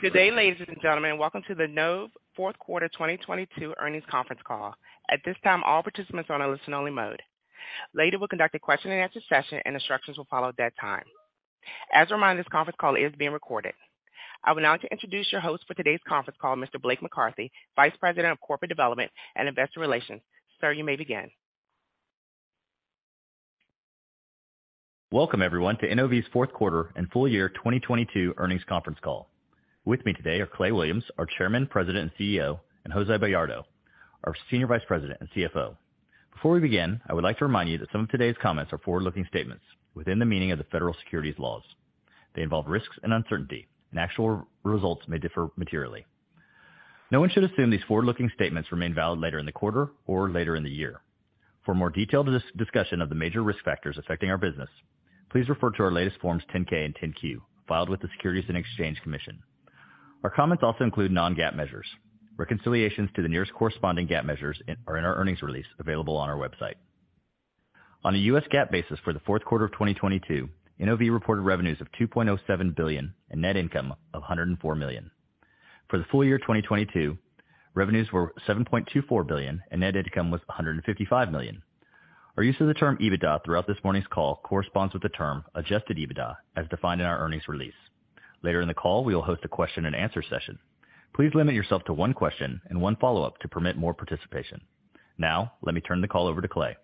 Good day, ladies and gentlemen. Welcome to the NOV fourth quarter 2022 earnings conference call. At this time, all participants are on a listen only mode. Later, we'll conduct a question-and-answer session and instructions will follow that time. As a reminder, this conference call is being recorded. I would now like to introduce your host for today's conference call, Mr. Blake McCarthy, Vice President of Corporate Development and Investor Relations. Sir, you may begin. Welcome everyone to NOV's fourth quarter and full year 2022 earnings conference call. With me today are Clay Williams, our Chairman, President, and CEO, and Jose Bayardo, our Senior Vice President and CFO. Before we begin, I would like to remind you that some of today's comments are forward-looking statements within the meaning of the federal securities laws. They involve risks and uncertainty, and actual results may differ materially. No one should assume these forward-looking statements remain valid later in the quarter or later in the year. For more detailed discussion of the major risk factors affecting our business, please refer to our latest Forms 10-K and 10-Q filed with the Securities and Exchange Commission. Our comments also include non-GAAP measures. Reconciliations to the nearest corresponding GAAP measures are in our earnings release available on our website. On a U.S. GAAP basis for the fourth quarter of 2022, NOV reported revenues of $2.07 billion and net income of $104 million. For the full year 2022, revenues were $7.24 billion and net income was $155 million. Our use of the term EBITDA throughout this morning's call corresponds with the term adjusted EBITDA as defined in our earnings release. Later in the call, we will host a question-and-answer session. Please limit yourself to one question and one follow-up to permit more participation. Now, let me turn the call over to Clay.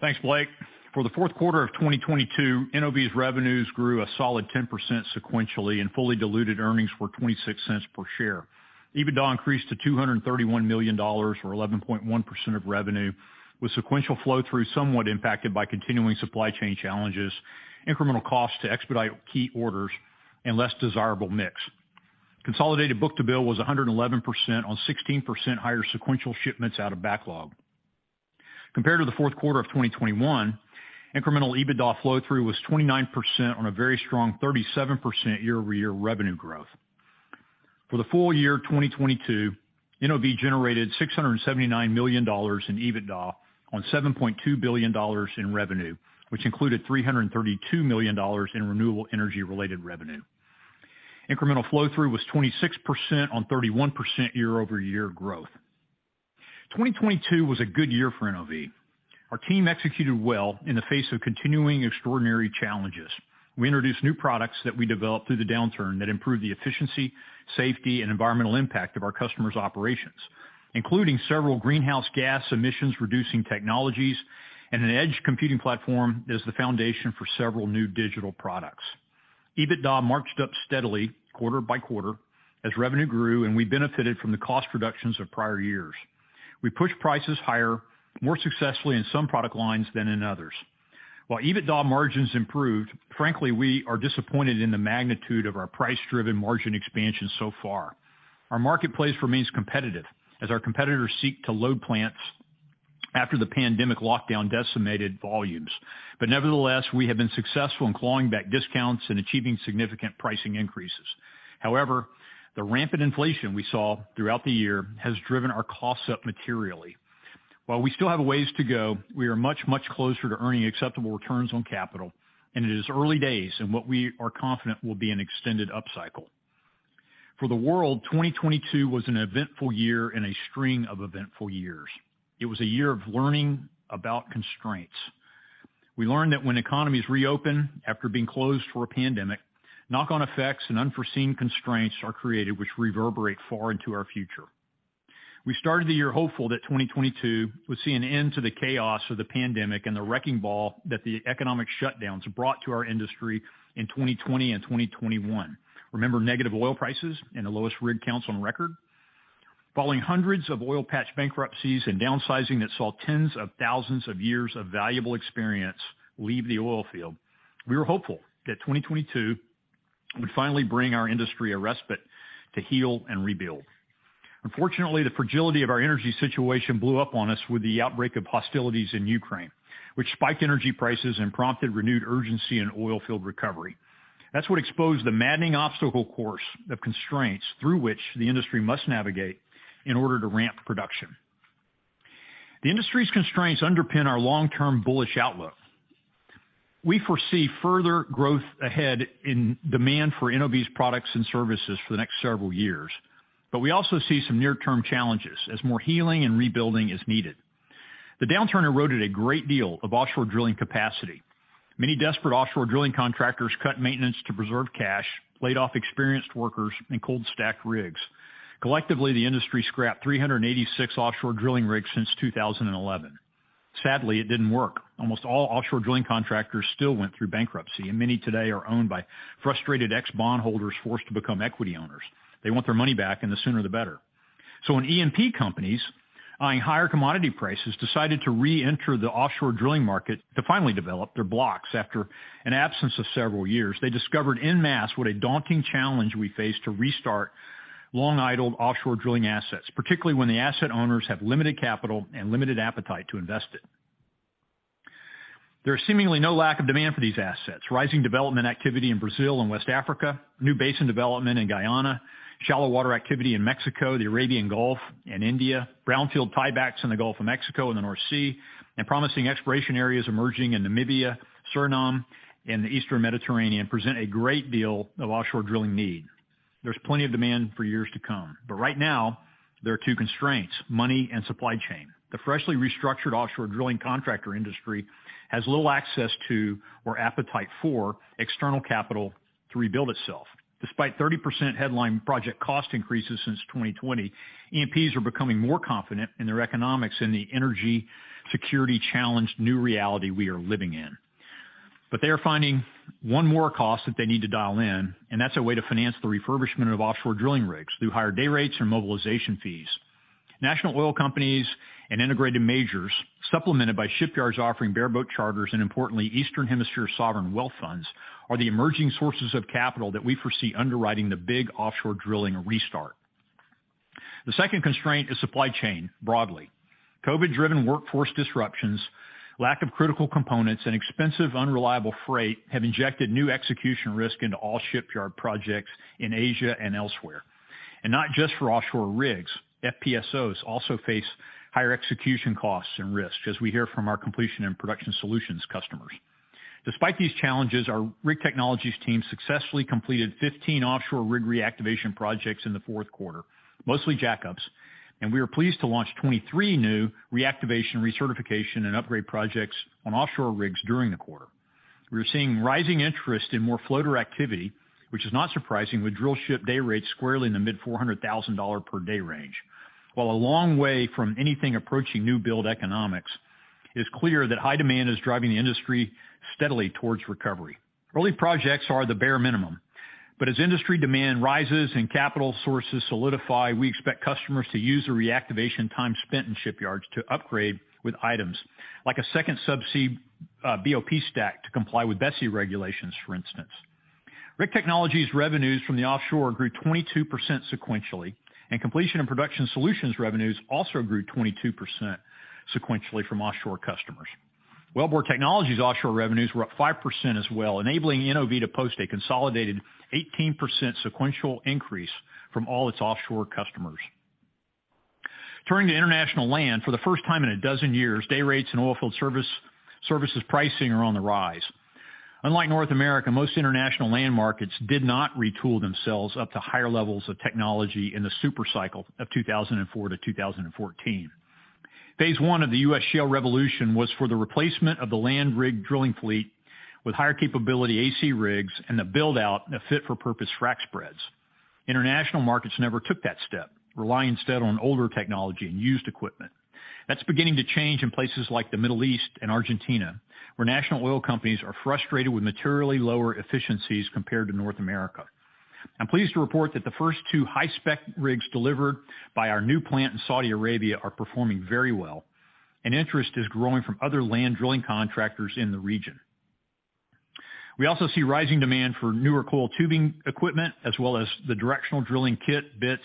Thanks, Blake. For the fourth quarter of 2022, NOV's revenues grew a solid 10% sequentially and fully diluted earnings were $0.26 per share. EBITDA increased to $231 million or 11.1% of revenue, with sequential flow-through somewhat impacted by continuing supply chain challenges, incremental costs to expedite key orders, and less desirable mix. Consolidated book-to-bill was 111% on 16% higher sequential shipments out of backlog. Compared to the fourth quarter of 2021, incremental EBITDA flow-through was 29% on a very strong 37% year-over-year revenue growth. For the full year 2022, NOV generated $679 million in EBITDA on $7.2 billion in revenue, which included $332 million in renewable energy-related revenue. Incremental flow-through was 26% on 31% year-over-year growth. 2022 was a good year for NOV. Our team executed well in the face of continuing extraordinary challenges. We introduced new products that we developed through the downturn that improved the efficiency, safety, and environmental impact of our customers' operations, including several greenhouse gas emissions-reducing technologies, and an edge computing platform as the foundation for several new digital products. EBITDA marched up steadily quarter by quarter as revenue grew. We benefited from the cost reductions of prior years. We pushed prices higher more successfully in some product lines than in others. While EBITDA margins improved, frankly, we are disappointed in the magnitude of our price-driven margin expansion so far. Our marketplace remains competitive as our competitors seek to load plants after the pandemic lockdown decimated volumes. Nevertheless, we have been successful in clawing back discounts and achieving significant pricing increases. However, the rampant inflation we saw throughout the year has driven our costs up materially. While we still have a ways to go, we are much, much closer to earning acceptable returns on capital. It is early days in what we are confident will be an extended upcycle. For the world, 2022 was an eventful year and a string of eventful years. It was a year of learning about constraints. We learned that when economies reopen after being closed for a pandemic, knock-on effects and unforeseen constraints are created which reverberate far into our future. We started the year hopeful that 2022 would see an end to the chaos of the pandemic and the wrecking ball that the economic shutdowns brought to our industry in 2020 and 2021. Remember negative oil prices and the lowest rig counts on record? Following hundreds of oil patch bankruptcies and downsizing that saw tens of thousands of years of valuable experience leave the oil field, we were hopeful that 2022 would finally bring our industry a respite to heal and rebuild. Unfortunately, the fragility of our energy situation blew up on us with the outbreak of hostilities in Ukraine, which spiked energy prices and prompted renewed urgency in oil field recovery. That's what exposed the maddening obstacle course of constraints through which the industry must navigate in order to ramp production. The industry's constraints underpin our long-term bullish outlook. We foresee further growth ahead in demand for NOV's products and services for the next several years. We also see some near-term challenges as more healing and rebuilding is needed. The downturn eroded a great deal of offshore drilling capacity. Many desperate offshore drilling contractors cut maintenance to preserve cash, laid off experienced workers, and cold-stacked rigs. Collectively, the industry scrapped 386 offshore drilling rigs since 2011. Sadly, it didn't work. Almost all offshore drilling contractors still went through bankruptcy, and many today are owned by frustrated ex-bondholders forced to become equity owners. They want their money back, and the sooner the better. When E&P companies, eyeing higher commodity prices, decided to reenter the offshore drilling market to finally develop their blocks after an absence of several years, they discovered en masse what a daunting challenge we face to restart long-idled offshore drilling assets, particularly when the asset owners have limited capital and limited appetite to invest it. There are seemingly no lack of demand for these assets. Rising development activity in Brazil and West Africa, new basin development in Guyana, shallow water activity in Mexico, the Arabian Gulf, and India, brownfield tiebacks in the Gulf of Mexico and the North Sea, and promising exploration areas emerging in Namibia, Suriname, and the Eastern Mediterranean present a great deal of offshore drilling need. There's plenty of demand for years to come. Right now, there are two constraints, money and supply chain. The freshly restructured offshore drilling contractor industry has little access to, or appetite for, external capital to rebuild itself. Despite 30% headline project cost increases since 2020, E&Ps are becoming more confident in their economics in the energy security challenged new reality we are living in. They are finding one more cost that they need to dial in, and that's a way to finance the refurbishment of offshore drilling rigs through higher day rates or mobilization fees. National oil companies and integrated majors, supplemented by shipyards offering bareboat charters, and importantly, Eastern Hemisphere sovereign wealth funds, are the emerging sources of capital that we foresee underwriting the big offshore drilling restart. The second constraint is supply chain, broadly. COVID-driven workforce disruptions, lack of critical components, and expensive, unreliable freight have injected new execution risk into all shipyard projects in Asia and elsewhere. Not just for offshore rigs. FPSOs also face higher execution costs and risks, as we hear from our Completion & Production Solutions customers. Despite these challenges, our rig technologies team successfully completed 15 offshore rig reactivation projects in the fourth quarter, mostly jack-ups, and we are pleased to launch 23 new reactivation, recertification, and upgrade projects on offshore rigs during the quarter. We're seeing rising interest in more floater activity, which is not surprising with drillship day rates squarely in the mid-$400 thousand per day range. While a long way from anything approaching new build economics, it's clear that high demand is driving the industry steadily towards recovery. Early projects are the bare minimum, but as industry demand rises and capital sources solidify, we expect customers to use the reactivation time spent in shipyards to upgrade with items like a second subsea BOP stack to comply with BSEE regulations, for instance. Rig Technologies revenues from the offshore grew 22% sequentially. Completion & Production Solutions revenues also grew 22% sequentially from offshore customers. Wellbore Technologies offshore revenues were up 5% as well, enabling NOV to post a consolidated 18% sequential increase from all its offshore customers. Turning to international land, for the first time in 12 years, day rates and oilfield services pricing are on the rise. Unlike North America, most international land markets did not retool themselves up to higher levels of technology in the super cycle of 2004 to 2014. Phase 1 of the U.S. shale revolution was for the replacement of the land rig drilling fleet with higher capability AC rigs and the build-out of fit-for-purpose frac spreads. International markets never took that step, relying instead on older technology and used equipment. That's beginning to change in places like the Middle East and Argentina, where national oil companies are frustrated with materially lower efficiencies compared to North America. I'm pleased to report that the first two high-spec rigs delivered by our new plant in Saudi Arabia are performing very well. Interest is growing from other land drilling contractors in the region. We also see rising demand for newer coiled tubing equipment, as well as the directional drilling kit, bits,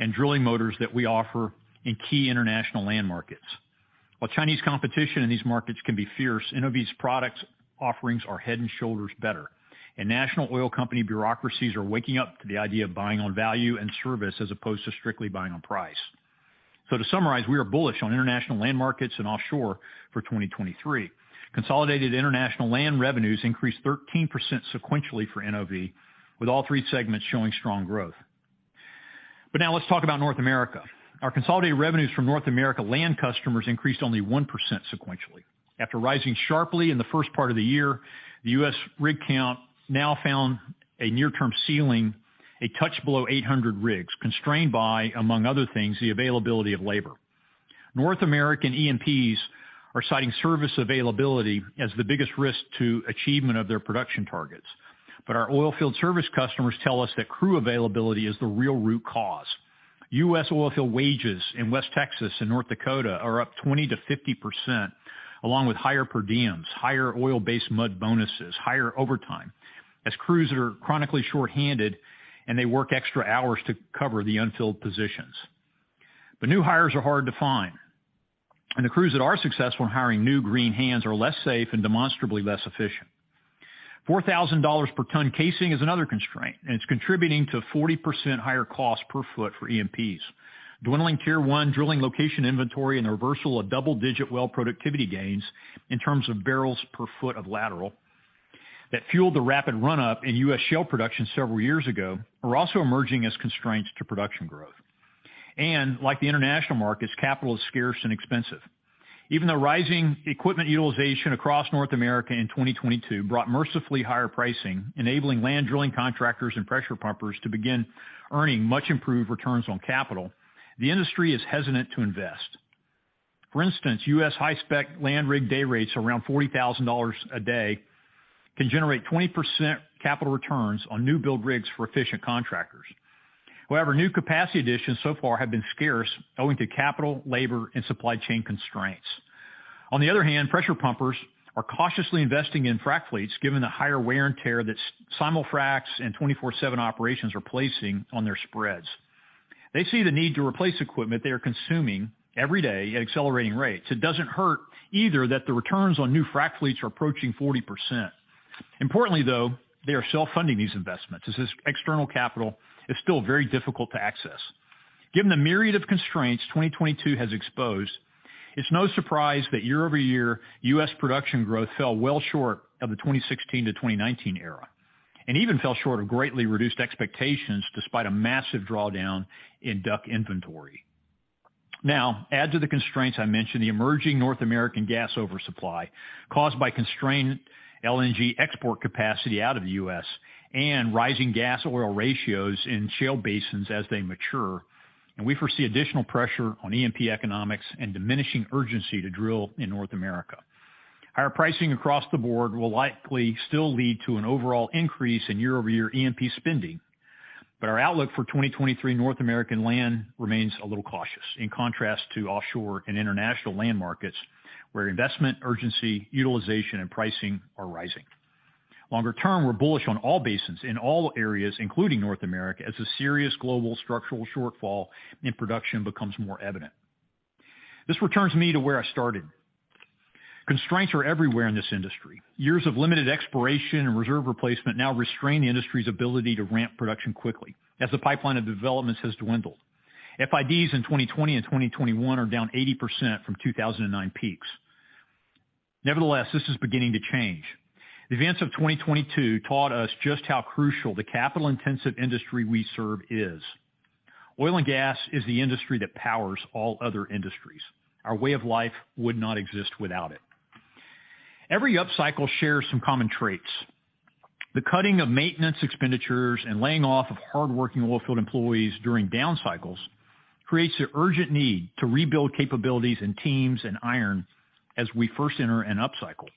and drilling motors that we offer in key international land markets. While Chinese competition in these markets can be fierce, NOV's products offerings are head and shoulders better. National oil company bureaucracies are waking up to the idea of buying on value and service as opposed to strictly buying on price. To summarize, we are bullish on international land markets and offshore for 2023. Consolidated international land revenues increased 13% sequentially for NOV, with all three segments showing strong growth. Now let's talk about North America. Our consolidated revenues from North America land customers increased only 1% sequentially. After rising sharply in the first part of the year, the US rig count now found a near-term ceiling, a touch below 800 rigs, constrained by, among other things, the availability of labor. North American E&Ps are citing service availability as the biggest risk to achievement of their production targets. Our oilfield service customers tell us that crew availability is the real root cause. US oilfield wages in West Texas and North Dakota are up 20%-50%, along with higher per diems, higher oil-based mud bonuses, higher overtime, as crews are chronically short-handed, and they work extra hours to cover the unfilled positions. New hires are hard to find, and the crews that are successful in hiring new green hands are less safe and demonstrably less efficient. $4,000 per ton casing is another constraint, and it's contributing to 40% higher cost per foot for E&Ps. Dwindling tier one drilling location inventory and the reversal of double-digit well productivity gains in terms of barrels per foot of lateral that fueled the rapid run-up in U.S. shale production several years ago are also emerging as constraints to production growth. Like the international markets, capital is scarce and expensive. Even though rising equipment utilization across North America in 2022 brought mercifully higher pricing, enabling land drilling contractors and pressure pumpers to begin earning much improved returns on capital, the industry is hesitant to invest. For instance, US high-spec land rig day rates around $40,000 a day can generate 20% capital returns on new build rigs for efficient contractors. New capacity additions so far have been scarce owing to capital, labor, and supply chain constraints. Pressure pumpers are cautiously investing in frac fleets given the higher wear and tear that simul-fracs and 24/7 operations are placing on their spreads. They see the need to replace equipment they are consuming every day at accelerating rates. It doesn't hurt either that the returns on new frac fleets are approaching 40%. Importantly, though, they are self-funding these investments, as external capital is still very difficult to access. Given the myriad of constraints 2022 has exposed, it's no surprise that year-over-year US production growth fell well short of the 2016-2019 era and even fell short of greatly reduced expectations despite a massive drawdown in DUC inventory. Add to the constraints I mentioned, the emerging North American gas oversupply caused by constrained LNG export capacity out of the US and rising gas oil ratios in shale basins as they mature, we foresee additional pressure on E&P economics and diminishing urgency to drill in North America. Higher pricing across the board will likely still lead to an overall increase in year-over-year E&P spending. Our outlook for 2023 North American land remains a little cautious, in contrast to offshore and international land markets where investment urgency, utilization, and pricing are rising. Longer term, we're bullish on all basins in all areas, including North America, as a serious global structural shortfall in production becomes more evident. This returns me to where I started. Constraints are everywhere in this industry. Years of limited exploration and reserve replacement now restrain the industry's ability to ramp production quickly as the pipeline of developments has dwindled. FIDs in 2020 and 2021 are down 80% from 2009 peaks. Nevertheless, this is beginning to change. The events of 2022 taught us just how crucial the capital-intensive industry we serve is. Oil and gas is the industry that powers all other industries. Our way of life would not exist without it. Every upcycle shares some common traits. The cutting of maintenance expenditures and laying off of hardworking oil field employees during down cycles creates an urgent need to rebuild capabilities in teams and iron as we first enter an upcycle.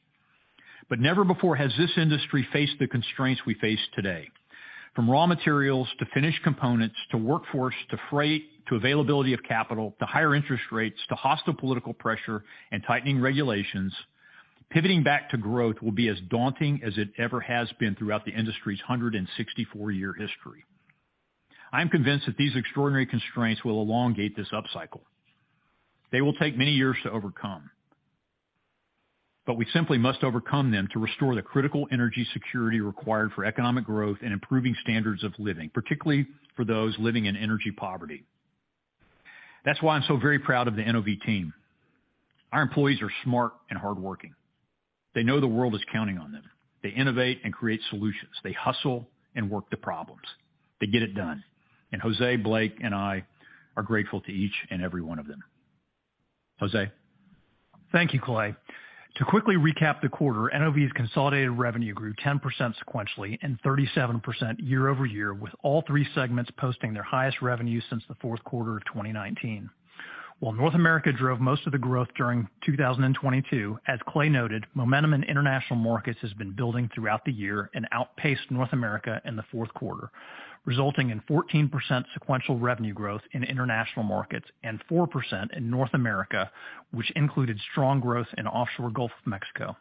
Never before has this industry faced the constraints we face today. From raw materials to finished components, to workforce, to freight, to availability of capital, to higher interest rates, to hostile political pressure and tightening regulations, pivoting back to growth will be as daunting as it ever has been throughout the industry's 164-year history. I'm convinced that these extraordinary constraints will elongate this upcycle. They will take many years to overcome, but we simply must overcome them to restore the critical energy security required for economic growth and improving standards of living, particularly for those living in energy poverty. That's why I'm so very proud of the NOV team. Our employees are smart and hardworking. They know the world is counting on them. They innovate and create solutions. They hustle and work the problems. They get it done. Jose, Blake, and I are grateful to each and every one of them. Jose? Thank you, Clay. To quickly recap the quarter, NOV's consolidated revenue grew 10% sequentially and 37% year-over-year, with all three segments posting their highest revenue since the fourth quarter of 2019. While North America drove most of the growth during 2022, as Clay noted, momentum in international markets has been building throughout the year and outpaced North America in the fourth quarter, resulting in 14% sequential revenue growth in international markets and 4% in North America, which included strong growth in offshore Gulf of Mexico.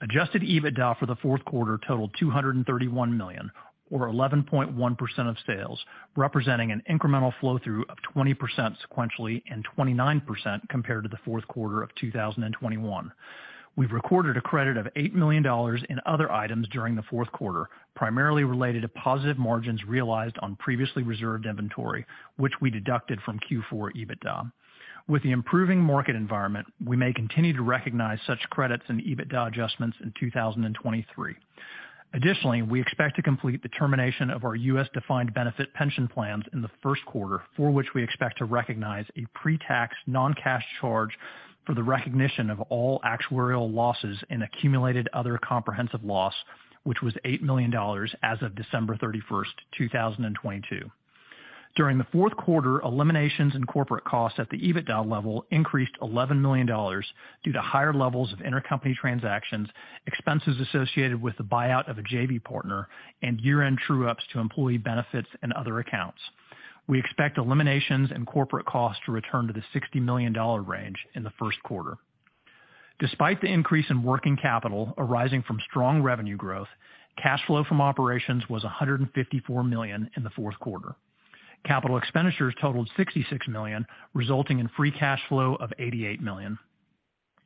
Adjusted EBITDA for the fourth quarter totaled $231 million, or 11.1% of sales, representing an incremental flow through of 20% sequentially and 29% compared to the fourth quarter of 2021. We've recorded a credit of $8 million in other items during the fourth quarter, primarily related to positive margins realized on previously reserved inventory, which we deducted from Q4 EBITDA. With the improving market environment, we may continue to recognize such credits and EBITDA adjustments in 2023. Additionally, we expect to complete the termination of our U.S. defined benefit pension plans in the first quarter, for which we expect to recognize a pre-tax non-cash charge for the recognition of all actuarial losses in accumulated other comprehensive loss, which was $8 million as of December 31, 2022. During the fourth quarter, eliminations in corporate costs at the EBITDA level increased $11 million due to higher levels of intercompany transactions, expenses associated with the buyout of a JV partner, and year-end true-ups to employee benefits and other accounts. We expect eliminations in corporate costs to return to the $60 million range in the first quarter. Despite the increase in working capital arising from strong revenue growth, cash flow from operations was $154 million in the fourth quarter. Capital expenditures totaled $66 million, resulting in free cash flow of $88 million.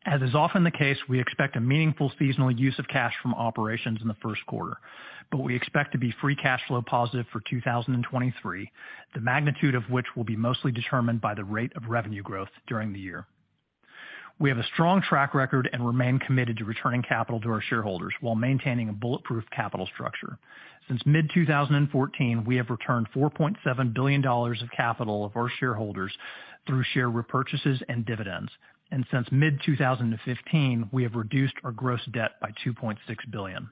As is often the case, we expect a meaningful seasonal use of cash from operations in the first quarter, but we expect to be free cash flow positive for 2023, the magnitude of which will be mostly determined by the rate of revenue growth during the year. We have a strong track record and remain committed to returning capital to our shareholders while maintaining a bulletproof capital structure. Since mid-2014, we have returned $4.7 billion of capital of our shareholders through share repurchases and dividends. Since mid-2015, we have reduced our gross debt by $2.6 billion.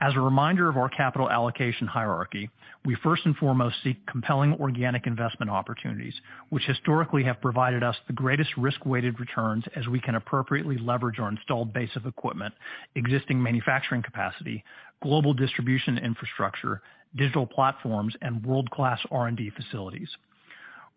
As a reminder of our capital allocation hierarchy, we first and foremost seek compelling organic investment opportunities, which historically have provided us the greatest risk-weighted returns as we can appropriately leverage our installed base of equipment, existing manufacturing capacity, global distribution infrastructure, digital platforms, and world-class R&D facilities.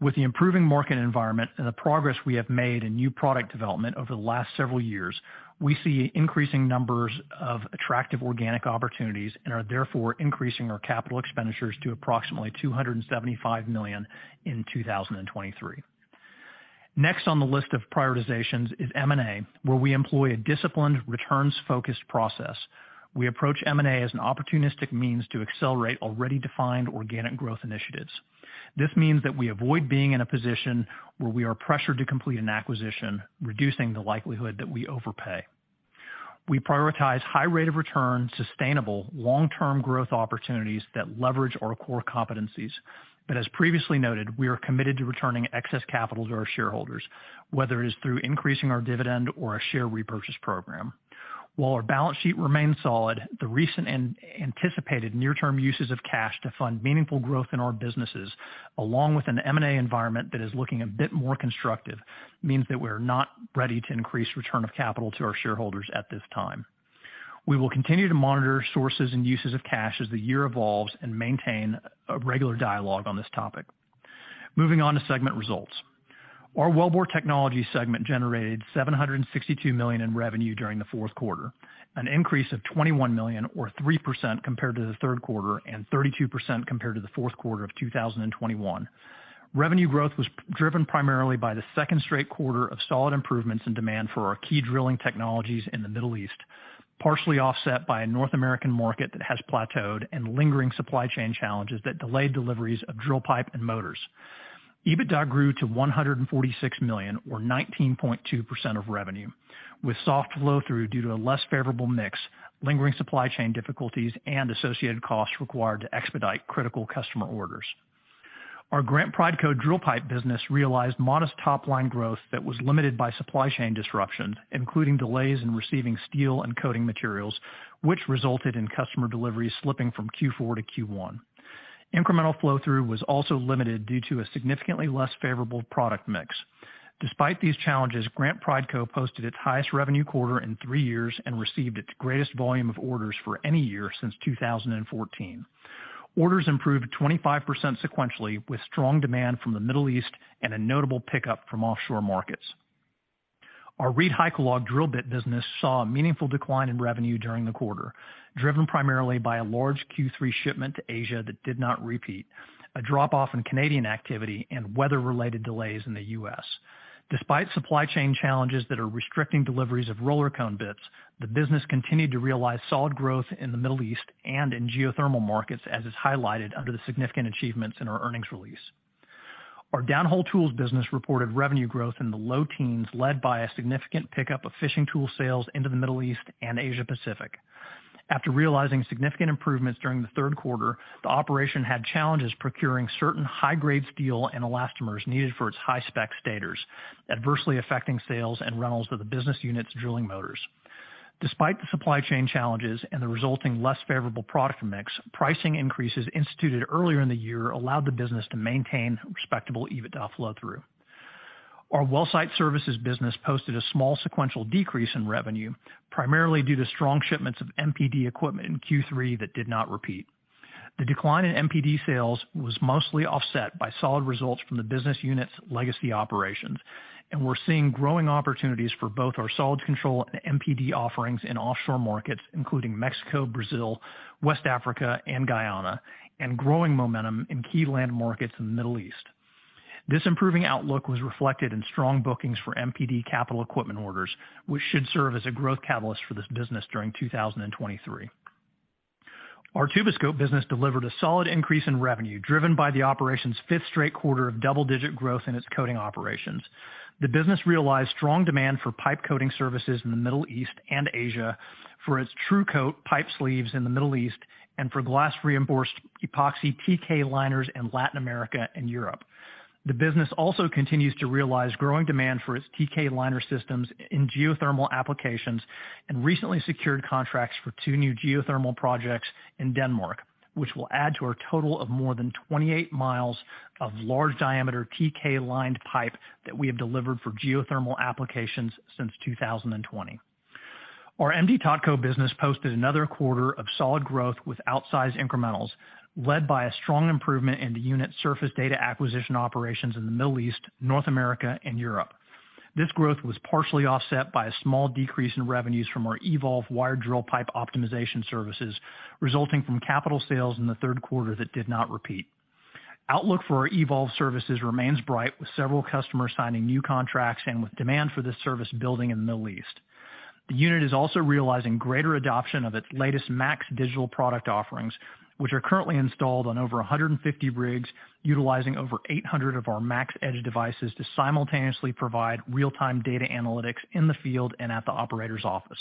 With the improving market environment and the progress we have made in new product development over the last several years, we see increasing numbers of attractive organic opportunities and are therefore increasing our capital expenditures to approximately $275 million in 2023. Next on the list of prioritizations is M&A, where we employ a disciplined returns-focused process. We approach M&A as an opportunistic means to accelerate already defined organic growth initiatives. This means that we avoid being in a position where we are pressured to complete an acquisition, reducing the likelihood that we overpay. We prioritize high rate of return, sustainable long-term growth opportunities that leverage our core competencies. As previously noted, we are committed to returning excess capital to our shareholders, whether it is through increasing our dividend or a share repurchase program. While our balance sheet remains solid, the recent anticipated near-term uses of cash to fund meaningful growth in our businesses, along with an M&A environment that is looking a bit more constructive, means that we're not ready to increase return of capital to our shareholders at this time. We will continue to monitor sources and uses of cash as the year evolves and maintain a regular dialogue on this topic. Moving on to segment results. Our wellbore technology segment generated $762 million in revenue during the fourth quarter, an increase of $21 million or 3% compared to the third quarter, and 32% compared to the fourth quarter of 2021. Revenue growth was driven primarily by the second straight quarter of solid improvements in demand for our key drilling technologies in the Middle East, partially offset by a North American market that has plateaued and lingering supply chain challenges that delayed deliveries of drill pipe and motors. EBITDA grew to $146 million or 19.2% of revenue, with soft flow-through due to a less favorable mix, lingering supply chain difficulties, and associated costs required to expedite critical customer orders. Our Grant Prideco drill pipe business realized modest top-line growth that was limited by supply chain disruption, including delays in receiving steel and coating materials, which resulted in customer deliveries slipping from Q4 to Q1. Incremental flow-through was also limited due to a significantly less favorable product mix. Despite these challenges, Grant Prideco posted its highest revenue quarter in three years and received its greatest volume of orders for any year since 2014. Orders improved 25% sequentially, with strong demand from the Middle East and a notable pickup from offshore markets. Our ReedHycalog drill bit business saw a meaningful decline in revenue during the quarter, driven primarily by a large Q3 shipment to Asia that did not repeat, a drop-off in Canadian activity and weather-related delays in the U.S. Despite supply chain challenges that are restricting deliveries of roller cone bits, the business continued to realize solid growth in the Middle East and in geothermal markets, as is highlighted under the significant achievements in our earnings release. Our downhole tools business reported revenue growth in the low teens, led by a significant pickup of fishing tool sales into the Middle East and Asia Pacific. After realizing significant improvements during the third quarter, the operation had challenges procuring certain high-grade steel and elastomers needed for its high-spec stators, adversely affecting sales and rentals to the business unit's drilling motors. Despite the supply chain challenges and the resulting less favorable product mix, pricing increases instituted earlier in the year allowed the business to maintain respectable EBITDA flow-through. Our well site services business posted a small sequential decrease in revenue, primarily due to strong shipments of MPD equipment in Q3 that did not repeat. The decline in MPD sales was mostly offset by solid results from the business unit's legacy operations, and we're seeing growing opportunities for both our solid control and MPD offerings in offshore markets, including Mexico, Brazil, West Africa, and Guyana, and growing momentum in key land markets in the Middle East. This improving outlook was reflected in strong bookings for MPD capital equipment orders, which should serve as a growth catalyst for this business during 2023. Our Tuboscope business delivered a solid increase in revenue, driven by the operation's 5th straight quarter of double-digit growth in its coating operations. The business realized strong demand for pipe coating services in the Middle East and Asia for its Thru-Kote pipe sleeves in the Middle East, and for glass-reinforced epoxy TK-Liners in Latin America and Europe. The business also continues to realize growing demand for its TK-Liner systems in geothermal applications and recently secured contracts for two new geothermal projects in Denmark, which will add to our total of more than 28 miles of large-diameter TK lined pipe that we have delivered for geothermal applications since 2020. Our M/D Totco business posted another quarter of solid growth with outsized incrementals, led by a strong improvement in the unit surface data acquisition operations in the Middle East, North America, and Europe. This growth was partially offset by a small decrease in revenues from our eVolve wired drill pipe optimization services, resulting from capital sales in the third quarter that did not repeat. Outlook for our eVolve services remains bright, with several customers signing new contracts and with demand for this service building in the Middle East. The unit is also realizing greater adoption of its latest Max digital product offerings, which are currently installed on over 150 rigs, utilizing over 800 of our Max Edge devices to simultaneously provide real-time data analytics in the field and at the operator's office.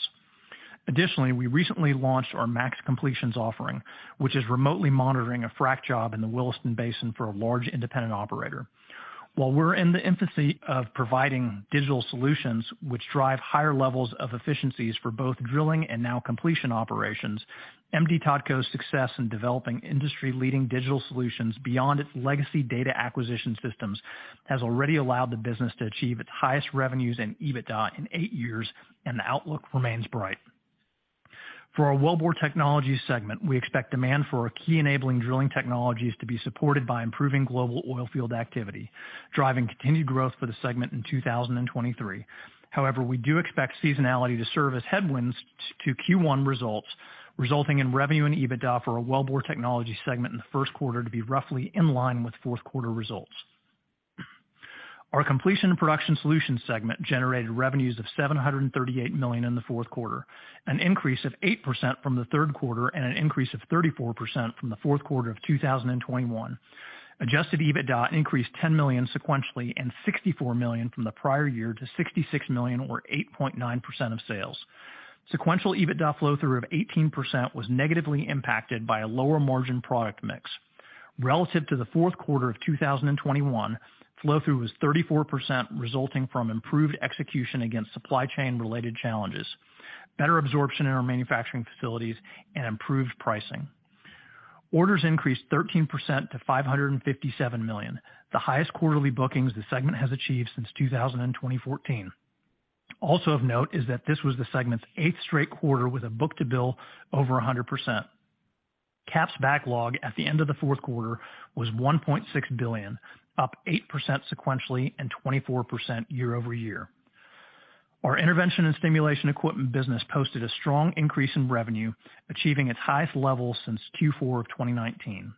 Additionally, we recently launched our Max Completions offering, which is remotely monitoring a frack job in the Williston Basin for a large independent operator. While we're in the infancy of providing digital solutions which drive higher levels of efficiencies for both drilling and now completion operations, M/D Totco's success in developing industry-leading digital solutions beyond its legacy data acquisition systems has already allowed the business to achieve its highest revenues and EBITDA in 8 years. The outlook remains bright. For our wellbore technology segment, we expect demand for our key enabling drilling technologies to be supported by improving global oilfield activity, driving continued growth for the segment in 2023. However, we do expect seasonality to serve as headwinds to Q1 results, resulting in revenue and EBITDA for our Wellbore Technology segment in the first quarter to be roughly in line with fourth quarter results. Our Completion & Production Solutions segment generated revenues of $738 million in the fourth quarter, an increase of 8% from the third quarter and an increase of 34% from the fourth quarter of 2021. Adjusted EBITDA increased $10 million sequentially and $64 million from the prior year to $66 million or 8.9% of sales. Sequential EBITDA flow-through of 18% was negatively impacted by a lower margin product mix. Relative to the fourth quarter of 2021, flow-through was 34%, resulting from improved execution against supply chain related challenges, better absorption in our manufacturing facilities and improved pricing. Orders increased 13% to $557 million, the highest quarterly bookings the segment has achieved since 2014. Of note is that this was the segment's eighth straight quarter with a book-to-bill over 100%. CAPS backlog at the end of the fourth quarter was $1.6 billion, up 8% sequentially and 24% year-over-year. Our intervention and stimulation equipment business posted a strong increase in revenue, achieving its highest level since Q4 of 2019.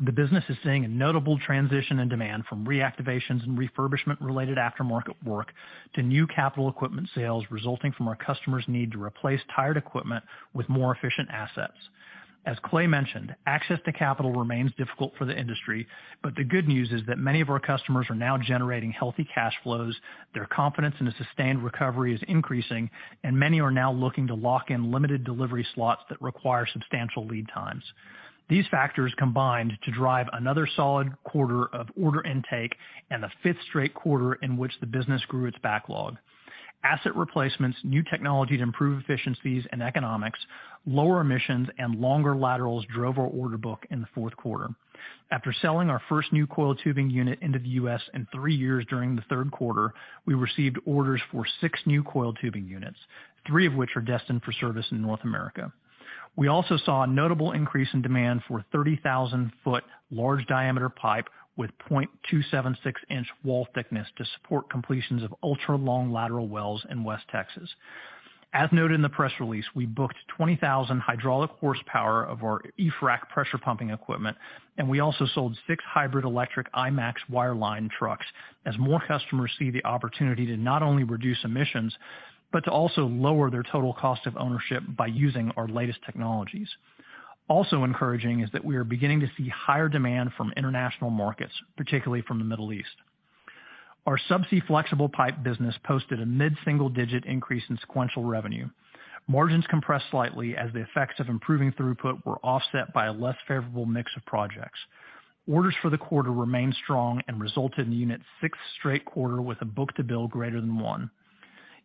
The business is seeing a notable transition in demand from reactivations and refurbishment related aftermarket work to new capital equipment sales, resulting from our customers' need to replace tired equipment with more efficient assets. As Clay mentioned, access to capital remains difficult for the industry, but the good news is that many of our customers are now generating healthy cash flows, their confidence in a sustained recovery is increasing, and many are now looking to lock in limited delivery slots that require substantial lead times. These factors combined to drive another solid quarter of order intake and the fifth straight quarter in which the business grew its backlog. Asset replacements, new technology to improve efficiencies and economics, lower emissions and longer laterals drove our order book in the fourth quarter. After selling our first new coiled tubing unit into the U.S. in three years during the third quarter, we received orders for six new coiled tubing units, three of which are destined for service in North America. We also saw a notable increase in demand for 30,000-foot large diameter pipe with 0.276-inch wall thickness to support completions of ultra-long lateral wells in West Texas. As noted in the press release, we booked 20,000 hydraulic horsepower of our eFrac pressure pumping equipment, and we also sold six hybrid electric iMaxx wireline trucks as more customers see the opportunity to not only reduce emissions, but to also lower their total cost of ownership by using our latest technologies. Encouraging is that we are beginning to see higher demand from international markets, particularly from the Middle East. Our subsea flexible pipe business posted a mid-single-digit increase in sequential revenue. Margins compressed slightly as the effects of improving throughput were offset by a less favorable mix of projects. Orders for the quarter remained strong and resulted in the unit's sixth straight quarter with a book-to-bill greater than 1.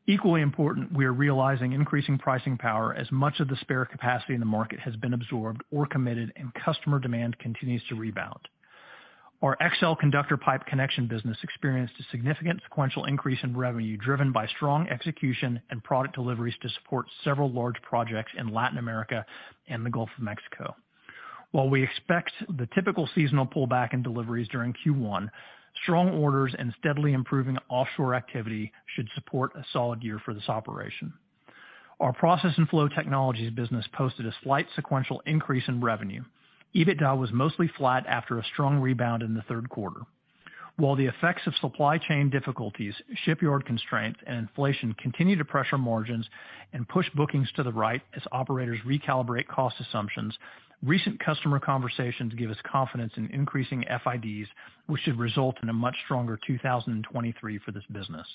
Equally important, we are realizing increasing pricing power as much of the spare capacity in the market has been absorbed or committed and customer demand continues to rebound. Our XL conductor pipe connection business experienced a significant sequential increase in revenue, driven by strong execution and product deliveries to support several large projects in Latin America and the Gulf of Mexico. While we expect the typical seasonal pullback in deliveries during Q1, strong orders and steadily improving offshore activity should support a solid year for this operation. Our process and flow technologies business posted a slight sequential increase in revenue. EBITDA was mostly flat after a strong rebound in the third quarter. While the effects of supply chain difficulties, shipyard constraints and inflation continue to pressure margins and push bookings to the right as operators recalibrate cost assumptions, recent customer conversations give us confidence in increasing FIDs, which should result in a much stronger 2023 for this business.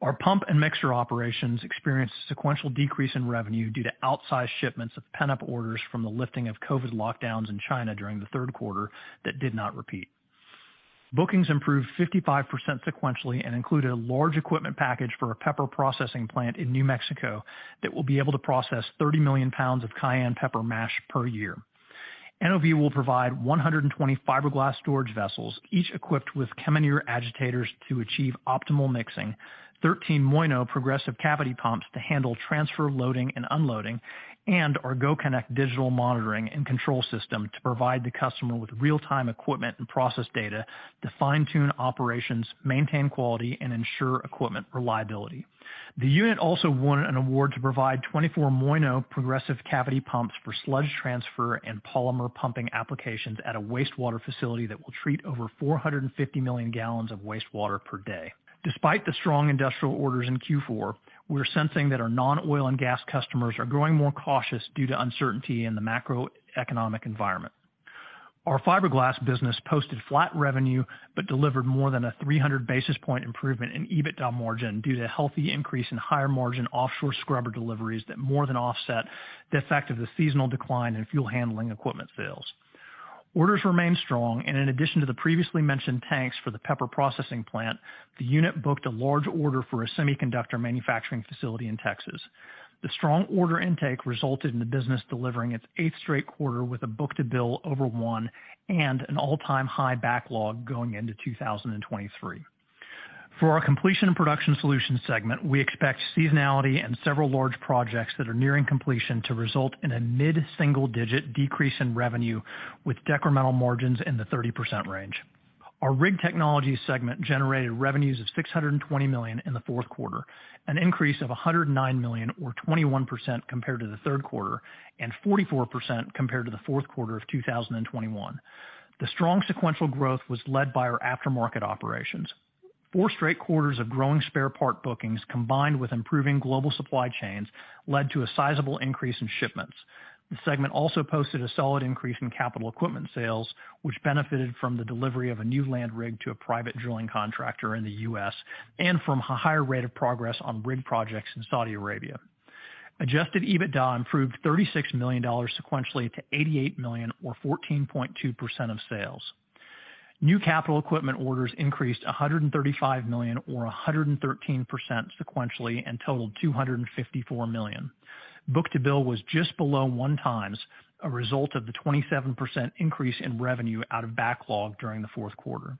Our pump and mixer operations experienced a sequential decrease in revenue due to outsized shipments of pent-up orders from the lifting of COVID lockdowns in China during the third quarter that did not repeat. Bookings improved 55% sequentially and included a large equipment package for a pepper processing plant in New Mexico that will be able to process 30 million pounds of cayenne pepper mash per year. NOV will provide 120 fiberglass storage vessels, each equipped with Chemineer agitators to achieve optimal mixing, 13 Moyno progressive cavity pumps to handle transfer, loading, and unloading, and our GoConnect digital monitoring and control system to provide the customer with real-time equipment and process data to fine-tune operations, maintain quality, and ensure equipment reliability. The unit also won an award to provide 24 Moyno progressive cavity pumps for sludge transfer and polymer pumping applications at a wastewater facility that will treat over 450 million gallons of wastewater per day. Despite the strong industrial orders in Q4, we're sensing that our non-oil and gas customers are growing more cautious due to uncertainty in the macroeconomic environment. Our fiberglass business posted flat revenue, delivered more than a 300 basis point improvement in EBITDA margin due to a healthy increase in higher-margin offshore scrubber deliveries that more than offset the effect of the seasonal decline in fuel handling equipment sales. Orders remain strong, in addition to the previously mentioned tanks for the pepper processing plant, the unit booked a large order for a semiconductor manufacturing facility in Texas. The strong order intake resulted in the business delivering its eighth straight quarter with a book-to-bill over 1 and an all-time high backlog going into 2023. For our Completion & Production Solutions segment, we expect seasonality and several large projects that are nearing completion to result in a mid-single-digit decrease in revenue with decremental margins in the 30% range. Our rig technology segment generated revenues of $620 million in the fourth quarter, an increase of $109 million or 21% compared to the third quarter and 44% compared to the fourth quarter of 2021. The strong sequential growth was led by our aftermarket operations. 4 straight quarters of growing spare part bookings, combined with improving global supply chains, led to a sizable increase in shipments. The segment also posted a solid increase in capital equipment sales, which benefited from the delivery of a new land rig to a private drilling contractor in the U.S., and from a higher rate of progress on rig projects in Saudi Arabia. Adjusted EBITDA improved $36 million sequentially to $88 million or 14.2% of sales. New capital equipment orders increased $135 million or 113% sequentially and totaled $254 million. Book-to-bill was just below 1x, a result of the 27% increase in revenue out of backlog during the fourth quarter.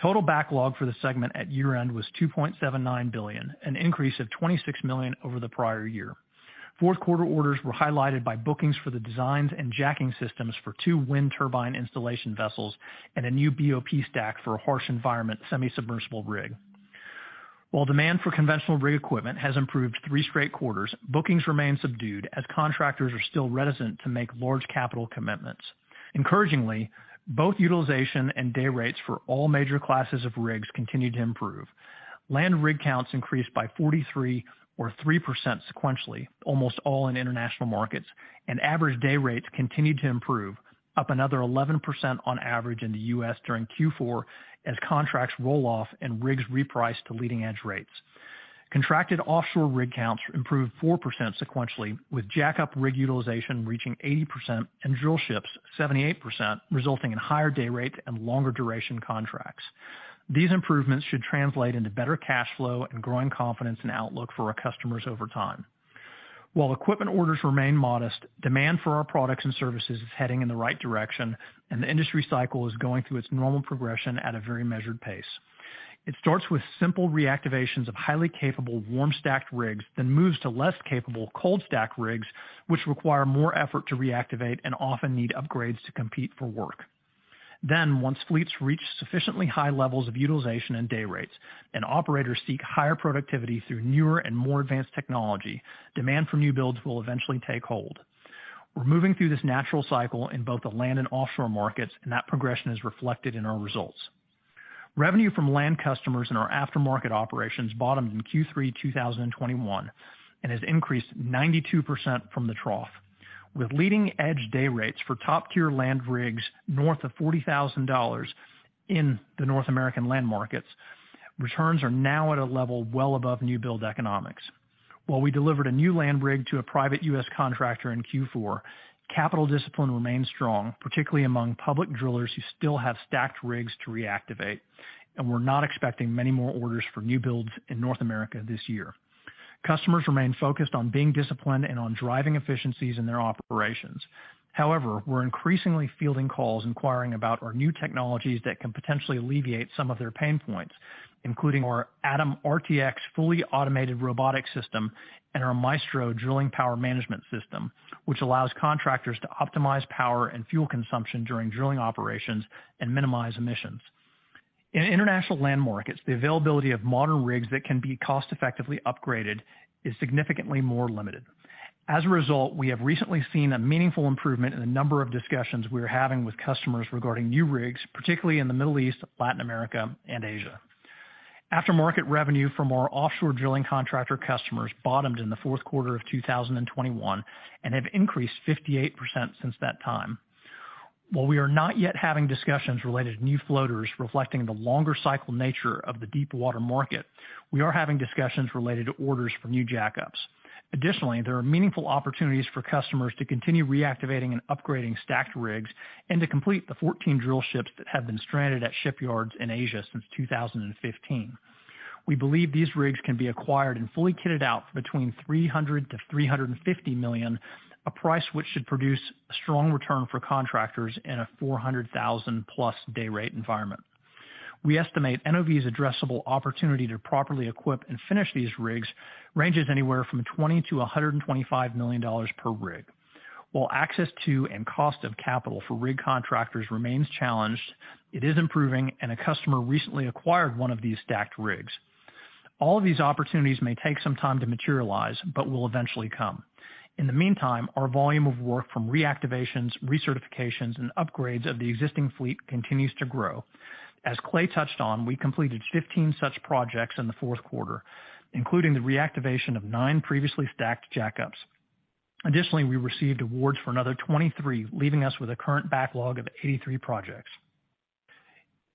Total backlog for the segment at year-end was $2.79 billion, an increase of $26 million over the prior year. Fourth quarter orders were highlighted by bookings for the designs and jacking systems for two wind turbine installation vessels and a new BOP stack for a harsh environment semi-submersible rig. Demand for conventional rig equipment has improved three straight quarters, bookings remain subdued as contractors are still reticent to make large capital commitments. Encouragingly, both utilization and day rates for all major classes of rigs continue to improve. Land rig counts increased by 43 or 3% sequentially, almost all in international markets, and average day rates continued to improve, up another 11% on average in the U.S. during Q4 as contracts roll off and rigs reprice to leading-edge rates. Contracted offshore rig counts improved 4% sequentially, with jack-up rig utilization reaching 80% and drillships 78%, resulting in higher day rates and longer duration contracts. These improvements should translate into better cash flow and growing confidence and outlook for our customers over time. While equipment orders remain modest, demand for our products and services is heading in the right direction, and the industry cycle is going through its normal progression at a very measured pace. It starts with simple reactivations of highly capable warm stacked rigs, then moves to less capable cold stacked rigs, which require more effort to reactivate and often need upgrades to compete for work. Once fleets reach sufficiently high levels of utilization and day rates, and operators seek higher productivity through newer and more advanced technology, demand for new builds will eventually take hold. We're moving through this natural cycle in both the land and offshore markets, and that progression is reflected in our results. Revenue from land customers in our aftermarket operations bottomed in Q3 2021 and has increased 92% from the trough. With leading edge day rates for top-tier land rigs north of $40,000 in the North American land markets, returns are now at a level well above new build economics. While we delivered a new land rig to a private U.S. contractor in Q4, capital discipline remains strong, particularly among public drillers who still have stacked rigs to reactivate. We're not expecting many more orders for new builds in North America this year. Customers remain focused on being disciplined and on driving efficiencies in their operations. However, we're increasingly fielding calls inquiring about our new technologies that can potentially alleviate some of their pain points, including our ATOM RTX fully automated robotic system and our Maestro drilling power management system, which allows contractors to optimize power and fuel consumption during drilling operations and minimize emissions. In international land markets, the availability of modern rigs that can be cost-effectively upgraded is significantly more limited. As a result, we have recently seen a meaningful improvement in the number of discussions we're having with customers regarding new rigs, particularly in the Middle East, Latin America, and Asia. Aftermarket revenue from our offshore drilling contractor customers bottomed in the fourth quarter of 2021 and have increased 58% since that time. While we are not yet having discussions related to new floaters reflecting the longer cycle nature of the deep water market, we are having discussions related to orders for new jack-ups. Additionally, there are meaningful opportunities for customers to continue reactivating and upgrading stacked rigs and to complete the 14 drillships that have been stranded at shipyards in Asia since 2015. We believe these rigs can be acquired and fully kitted out for between $300 million to $350 million, a price which should produce a strong return for contractors in a $400,000-plus day rate environment. We estimate NOV's addressable opportunity to properly equip and finish these rigs ranges anywhere from $20 million to $125 million per rig. Access to and cost of capital for rig contractors remains challenged, it is improving, and a customer recently acquired one of these stacked rigs. All of these opportunities may take some time to materialize but will eventually come. In the meantime, our volume of work from reactivations, recertifications, and upgrades of the existing fleet continues to grow. As Clay touched on, we completed 15 such projects in the fourth quarter, including the reactivation of nine previously stacked jack-ups. Additionally, we received awards for another 23, leaving us with a current backlog of 83 projects.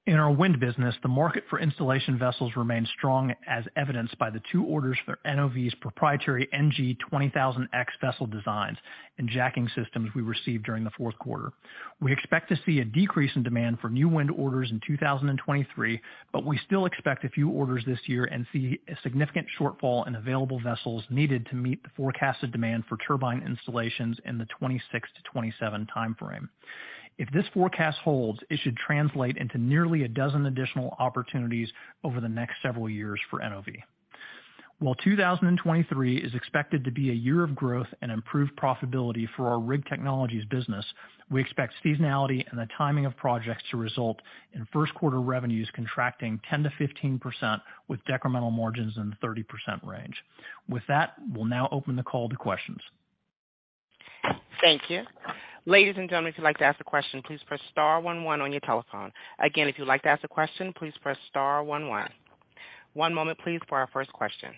In our wind business, the market for installation vessels remains strong, as evidenced by the 2 orders for NOV's proprietary NG-20000X vessel designs and jacking systems we received during the fourth quarter. We expect to see a decrease in demand for new wind orders in 2023, we still expect a few orders this year and see a significant shortfall in available vessels needed to meet the forecasted demand for turbine installations in the 26-27 time frame. If this forecast holds, it should translate into nearly a dozen additional opportunities over the next several years for NOV. While 2023 is expected to be a year of growth and improved profitability for our rig technologies business, we expect seasonality and the timing of projects to result in first quarter revenues contracting 10%-15%, with decremental margins in the 30% range. With that, we'll now open the call to questions. Thank you. Ladies and gentlemen, if you'd like to ask a question, please press star one one on your telephone. Again, if you'd like to ask a question, please press star one one. One moment please for our first question.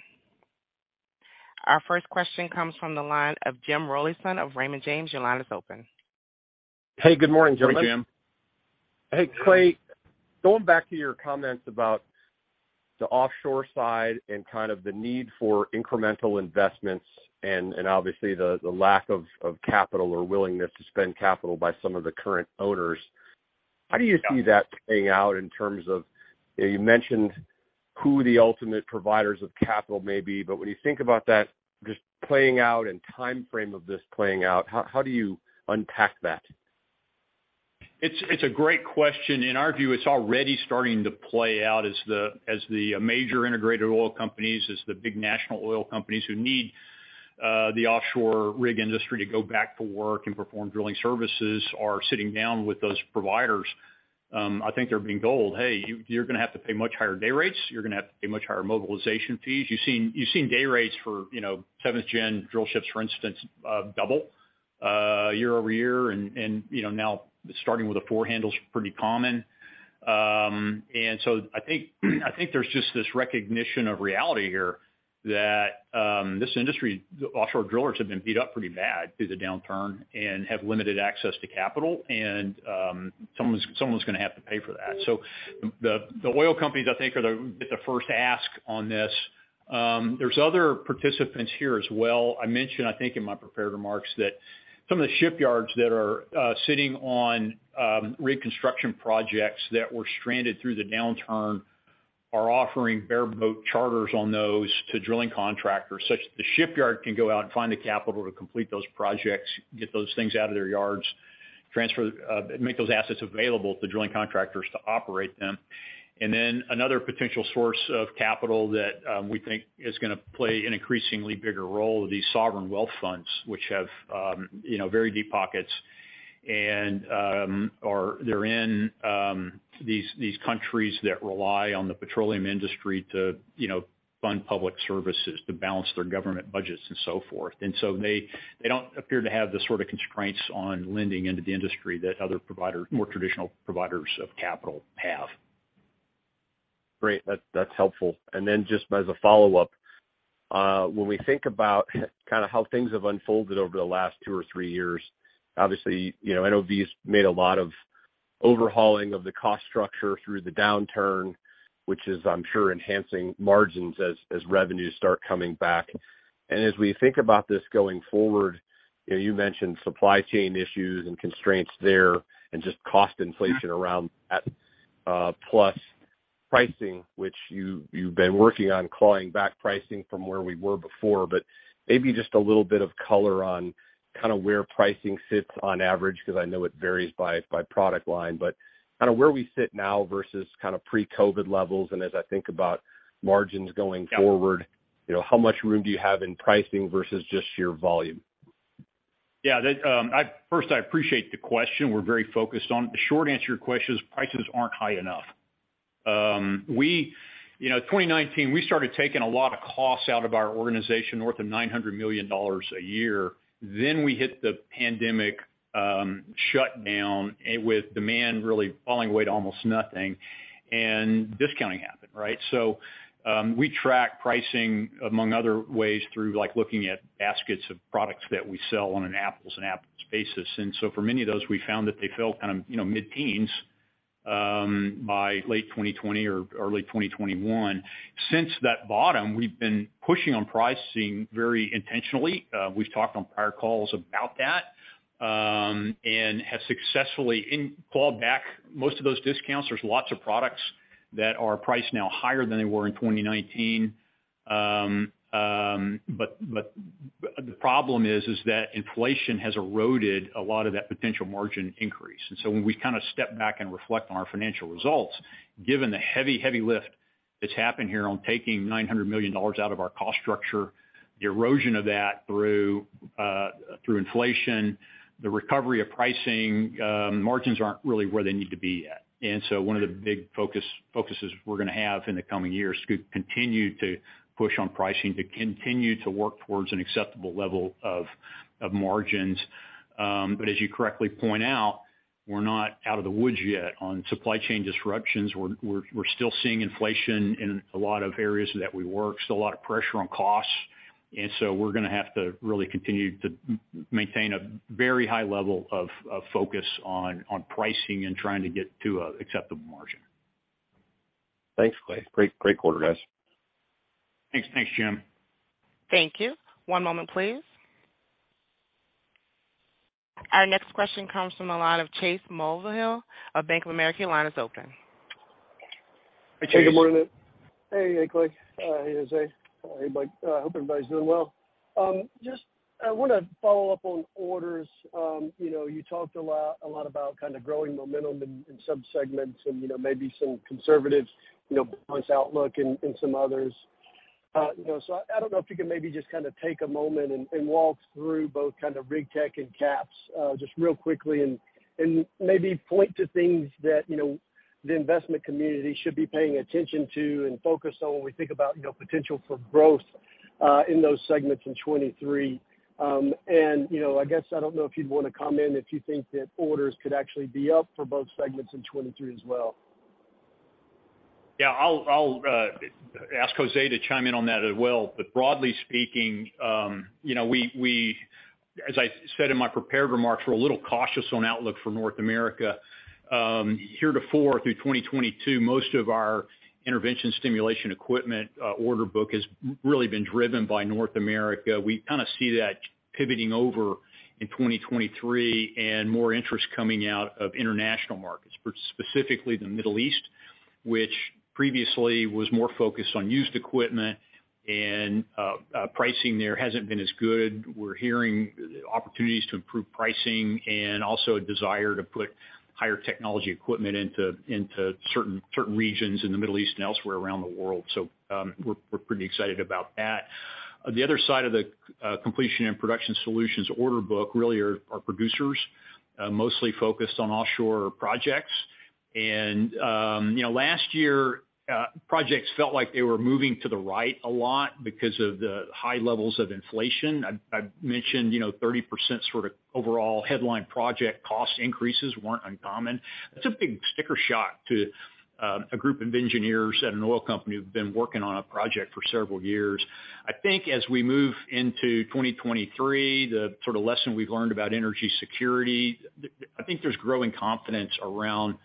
Our first question comes from the line of Jim Rollyson of Raymond James. Your line is open. Hey, good morning, gentlemen. Good morning, Jim. Hey, Clay. Going back to your comments about the offshore side and kind of the need for incremental investments and obviously the lack of capital or willingness to spend capital by some of the current owners. How do you see that playing out in terms of, you mentioned who the ultimate providers of capital may be, when you think about that just playing out and timeframe of this playing out, how do you unpack that? It's a great question. In our view, it's already starting to play out as the major integrated oil companies, as the big national oil companies who need the offshore rig industry to go back to work and perform drilling services are sitting down with those providers. I think they're being told, "Hey, you're gonna have to pay much higher day rates. You're gonna have to pay much higher mobilization fees." You've seen day rates for, you know, 7th-gen drillships, for instance, double year-over-year. You know, now starting with the four handle's pretty common. I think, I think there's just this recognition of reality here that this industry, the offshore drillers have been beat up pretty bad through the downturn and have limited access to capital and someone's gonna have to pay for that. The, the oil companies I think are the first ask on this. There's other participants here as well. I mentioned, I think in my prepared remarks that some of the shipyards that are sitting on reconstruction projects that were stranded through the downturn are offering bareboat charters on those to drilling contractors such that the shipyard can go out and find the capital to complete those projects, get those things out of their yards, transfer, make those assets available to drilling contractors to operate them. Another potential source of capital that, we think is gonna play an increasingly bigger role are these sovereign wealth funds, which have, you know, very deep pockets and, they're in, these countries that rely on the petroleum industry to, you know, fund public services to balance their government budgets and so forth. They don't appear to have the sort of constraints on lending into the industry that other providers, more traditional providers of capital have. Great. That's helpful. Then just as a follow-up, when we think about kind of how things have unfolded over the last two or three years, obviously, you know, NOV's made a lot of overhauling of the cost structure through the downturn, which is, I'm sure, enhancing margins as revenues start coming back. As we think about this going forward, you know, you mentioned supply chain issues and constraints there and just cost inflation around that, plus pricing, which you've been working on clawing back pricing from where we were before, but maybe just a little bit of color on kind of where pricing sits on average because I know it varies by product line, but kind of where we sit now versus kind of pre-COVID levels. As I think about margins going forward. Yeah. You know, how much room do you have in pricing versus just sheer volume? Yeah. First, I appreciate the question. We're very focused on it. The short answer to your question is prices aren't high enough. We, you know, 2019, we started taking a lot of costs out of our organization, north of $900 million a year. We hit the pandemic shutdown and with demand really falling away to almost nothing and discounting happened, right? We track pricing among other ways through like looking at baskets of products that we sell on an apples and apples basis. For many of those, we found that they fell kind of, you know, mid-teens by late 2020 or early 2021. Since that bottom, we've been pushing on pricing very intentionally. We've talked on prior calls about that and have successfully clawed back most of those discounts. There's lots of products that are priced now higher than they were in 2019. But the problem is that inflation has eroded a lot of that potential margin increase. When we kind of step back and reflect on our financial results, given the heavy lift that's happened here on taking $900 million out of our cost structure, the erosion of that through inflation, the recovery of pricing, margins aren't really where they need to be at. One of the big focuses we're gonna have in the coming years is to continue to push on pricing, to continue to work towards an acceptable level of margins. But as you correctly point out, we're not out of the woods yet on supply chain disruptions. We're still seeing inflation in a lot of areas that we work, still a lot of pressure on costs. We're gonna have to really continue to maintain a very high level of focus on pricing and trying to get to an acceptable margin. Thanks, Clay. Great, great quarter, guys. Thanks. Thanks, Jim. Thank you. One moment, please. Our next question comes from the line of Chase Mulvehill of Bank of America. Your line is open. Hey, Chase. Hey, good morning. Hey, Clay. Hey, Jose. Hey, Mike. Hope everybody's doing well. just I wanna follow up on orders. you know, you talked a lot about kind of growing momentum in subsegments and, you know, maybe some conservatives, you know, points outlook in some others. you know, so I don't know if you can maybe just kind of take a moment and walk through both kind of rig tech and CAPS, just real quickly and maybe point to things that, you know. The investment community should be paying attention to and focus on when we think about, you know, potential for growth, in those segments in 2023. I guess, I don't know if you'd wanna comment if you think that orders could actually be up for both segments in 2023 as well. Yeah, I'll ask Jose to chime in on that as well. Broadly speaking, you know, as I said in my prepared remarks, we're a little cautious on outlook for North America. Heretofore through 2022, most of our intervention stimulation equipment, order book has really been driven by North America. We kinda see that pivoting over in 2023, and more interest coming out of international markets, for specifically the Middle East, which previously was more focused on used equipment and pricing there hasn't been as good. We're hearing opportunities to improve pricing and also a desire to put higher technology equipment into certain regions in the Middle East and elsewhere around the world. We're pretty excited about that. The other side of the Completion & Production Solutions order book really are producers mostly focused on offshore projects. You know, last year projects felt like they were moving to the right a lot because of the high levels of inflation. I mentioned, you know, 30% sort of overall headline project cost increases weren't uncommon. That's a big sticker shock to a group of engineers at an oil company who've been working on a project for several years. I think as we move into 2023, the sort of lesson we've learned about energy security, I think there's growing confidence around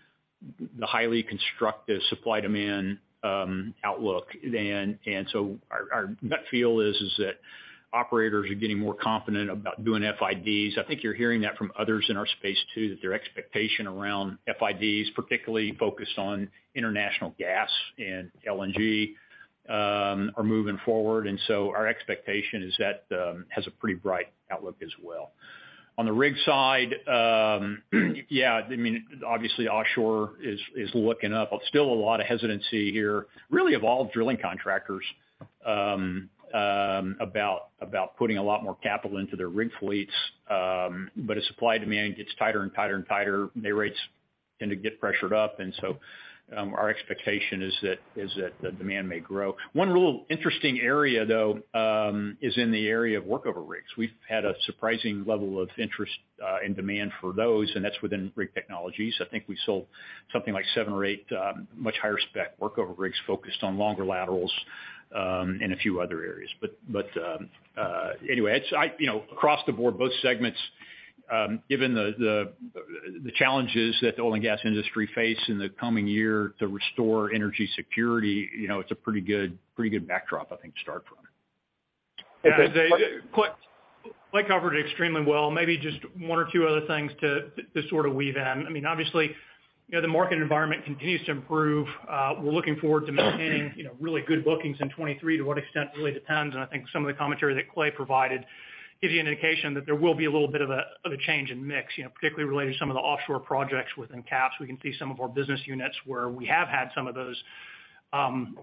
the highly constructive supply-demand outlook. Our gut feel is that operators are getting more confident about doing FIDs. I think you're hearing that from others in our space, too, that their expectation around FIDs, particularly focused on international gas and LNG, are moving forward. Our expectation is that has a pretty bright outlook as well. On the rig side, yeah, I mean, obviously offshore is looking up. Still a lot of hesitancy here, really of all drilling contractors about putting a lot more capital into their rig fleets. As supply-demand gets tighter and tighter and tighter, their rates tend to get pressured up. Our expectation is that the demand may grow. One real interesting area, though, is in the area of workover rigs. We've had a surprising level of interest and demand for those, and that's within rig technologies. I think we sold something like seven or eight much higher spec workover rigs focused on longer laterals and a few other areas. Anyway, you know, across the board, both segments, given the challenges that the oil and gas industry face in the coming year to restore energy security, you know, it's a pretty good backdrop, I think, to start from. Clay covered it extremely well. Maybe just one or two other things to sort of weave in. I mean, obviously, you know, the market environment continues to improve. We're looking forward to maintaining, you know, really good bookings in 23, to what extent really depends. I think some of the commentary that Clay provided gives you an indication that there will be a little bit of a, of a change in mix, you know, particularly related to some of the offshore projects within CAPS. We can see some of our business units where we have had some of those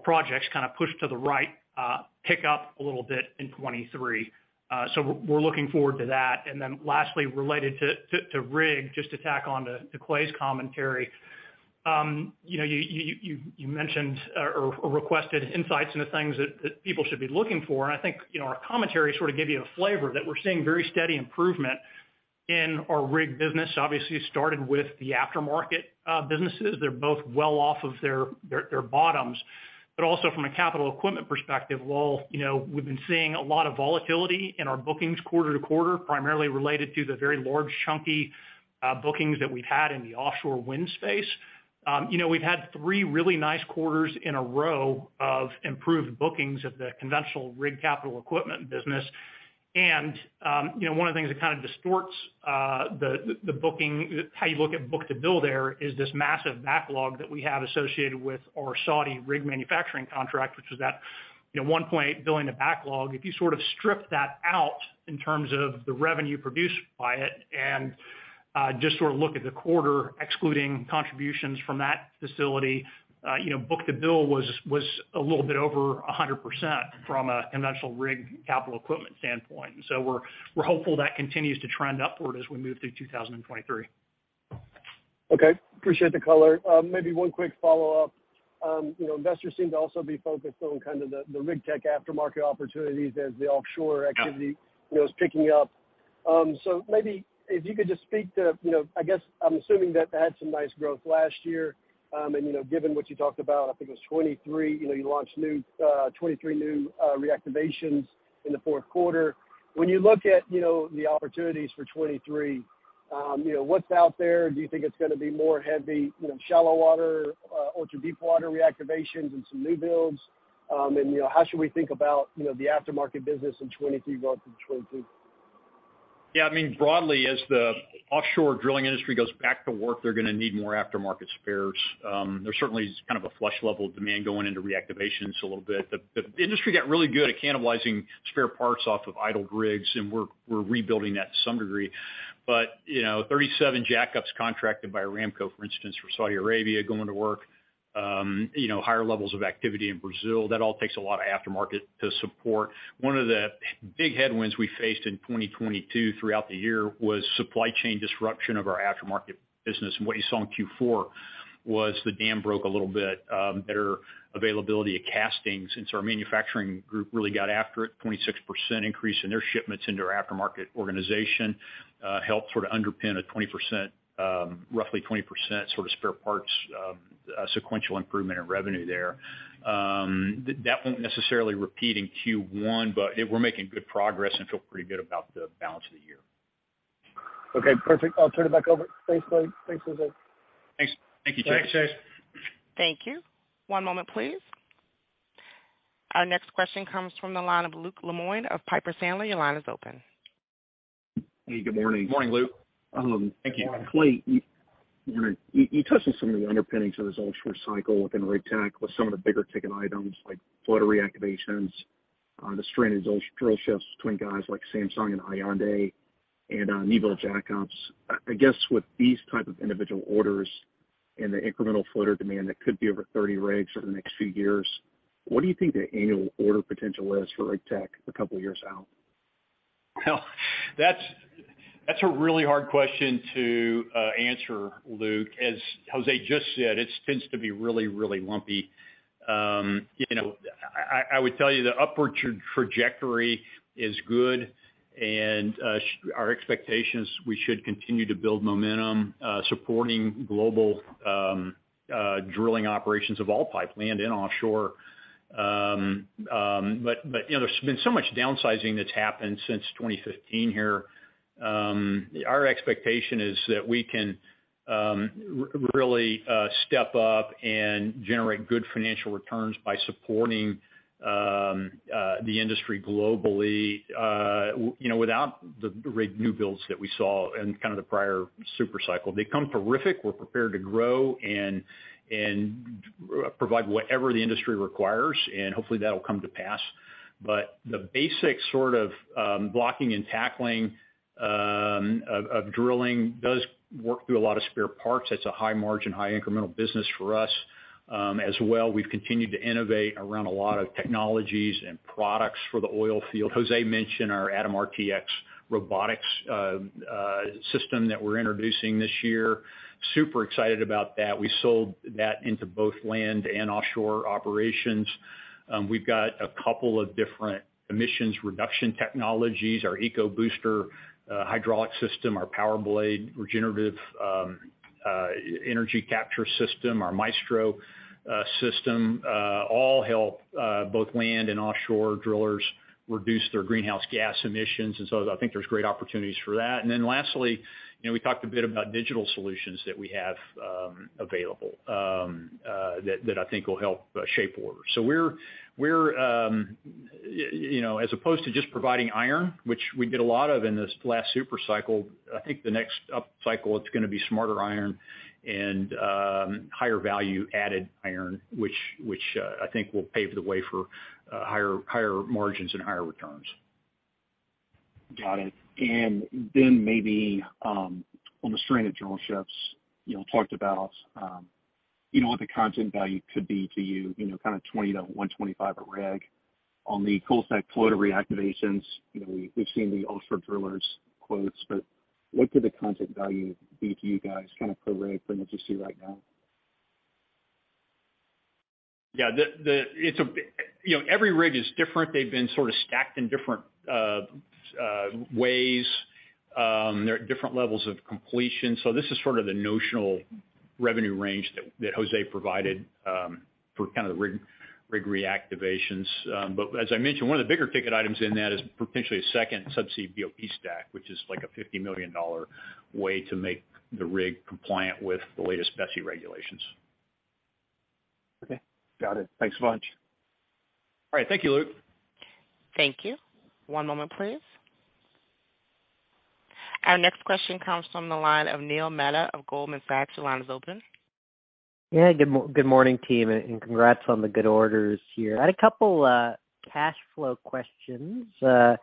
projects kinda push to the right, pick up a little bit in 23. We're looking forward to that. Lastly, related to rig, just to tack onto Clay's commentary, you know, you mentioned or requested insights into things that people should be looking for. I think, you know, our commentary sort of gave you a flavor that we're seeing very steady improvement in our rig business. Obviously, it started with the aftermarket businesses. They're both well off of their bottoms. Also from a capital equipment perspective, while, you know, we've been seeing a lot of volatility in our bookings quarter to quarter, primarily related to the very large, chunky bookings that we've had in the offshore wind space, you know, we've had three really nice quarters in a row of improved bookings of the conventional rig capital equipment business. You know, one of the things that kind of distorts the booking, how you look at book-to-bill there, is this massive backlog that we have associated with our Saudi rig manufacturing contract, which is at $1 billion of backlog. If you sort of strip that out in terms of the revenue produced by it and just sort of look at the quarter excluding contributions from that facility, you know, book-to-bill was a little bit over 100% from a conventional rig capital equipment standpoint. So we're hopeful that continues to trend upward as we move through 2023. Okay. Appreciate the color. Maybe one quick follow-up. You know, investors seem to also be focused on kind of the rig tech aftermarket opportunities as the offshore activity, you know, is picking up. Maybe if you could just speak to, you know, I guess I'm assuming that they had some nice growth last year. Given what you talked about, I think it was 2023, you know, you launched new 23 new reactivations in the fourth quarter. When you look at, you know, the opportunities for 2023, you know, what's out there? Do you think it's gonna be more heavy, you know, shallow water, ultra-deep water reactivations and some new builds? How should we think about, you know, the aftermarket business in 2023 relative to 2022? Yeah. I mean, broadly, as the offshore drilling industry goes back to work, they're gonna need more aftermarket spares. There's certainly kind of a flush level of demand going into reactivations a little bit. The industry got really good at cannibalizing spare parts off of idle rigs, and we're rebuilding that to some degree. You know, 37 jackups contracted by Aramco, for instance, for Saudi Arabia going to work, you know, higher levels of activity in Brazil, that all takes a lot of aftermarket to support. One of the big headwinds we faced in 2022 throughout the year was supply chain disruption of our aftermarket business. What you saw in Q4 was the dam broke a little bit, better availability of castings since our manufacturing group really got after it. 26% increase in their shipments into our aftermarket organization helped sort of underpin a 20%, roughly 20% sort of spare parts sequential improvement in revenue there. That won't necessarily repeat in Q1, but we're making good progress and feel pretty good about the balance of the year. Okay, perfect. I'll turn it back over. Thanks, Clay. Thanks, Jose. Thanks. Thank you, Chase. Thanks, Chase. Thank you. One moment, please. Our next question comes from the line of Luke Lemoine of Piper Sandler. Your line is open. Hey, good morning. Good morning, Luke. Thank you. Clay, you touched on some of the underpinnings of this ultra cycle within Rig Tech with some of the bigger ticket items like floater reactivations, the strain of those drillships between guys like Samsung and Hyundai and newbuild jackups. I guess with these type of individual orders and the incremental floater demand that could be over 30 rigs for the next few years, what do you think the annual order potential is for Rig Tech a couple years out? That's, that's a really hard question to answer, Luke. As Jose just said, it tends to be really lumpy. You know, I would tell you the upward trajectory is good, and our expectations, we should continue to build momentum supporting global drilling operations of all pipe, land and offshore. You know, there's been so much downsizing that's happened since 2015 here. Our expectation is that we can really step up and generate good financial returns by supporting the industry globally, you know, without the rig new builds that we saw in kind of the prior super cycle. They come terrific. We're prepared to grow and provide whatever the industry requires, hopefully that'll come to pass. The basic sort of blocking and tackling of drilling does work through a lot of spare parts. That's a high margin, high incremental business for us. As well, we've continued to innovate around a lot of technologies and products for the oil field. Jose mentioned our ATOM RTX robotics system that we're introducing this year. Super excited about that. We sold that into both land and offshore operations. We've got a couple of different emissions reduction technologies, our EcoBooster hydraulic system, our PowerBlade regenerative energy capture system, our Maestro system, all help both land and offshore drillers reduce their greenhouse gas emissions. I think there's great opportunities for that. Lastly, you know, we talked a bit about digital solutions that we have available that I think will help shape orders. We're, you know, as opposed to just providing iron, which we did a lot of in this last super cycle, I think the next up cycle, it's gonna be smarter iron and higher value added iron, which I think will pave the way for higher margins and higher returns. Got it. Then maybe, on the strain of drillships, you know, talked about, you know, what the content value could be to you know, kind of $20-$125 a rig. On the cold-stacked floater reactivations, you know, we've seen the offshore drillers quotes, but what could the content value be to you guys kind of per rig from what you see right now? Yeah. You know, every rig is different. They've been sort of stacked in different ways. They're at different levels of completion. This is sort of the notional revenue range that Jose provided for kind of the rig reactivations. As I mentioned, one of the bigger ticket items in that is potentially a second subsea BOP stack, which is like a $50 million way to make the rig compliant with the latest BC regulations. Okay. Got it. Thanks a bunch. All right. Thank you, Luke. Thank you. One moment, please. Our next question comes from the line of Neil Mehta of Goldman Sachs. Your line is open. Yeah. Good morning, team, and congrats on the good orders here. I had a couple cash flow questions. The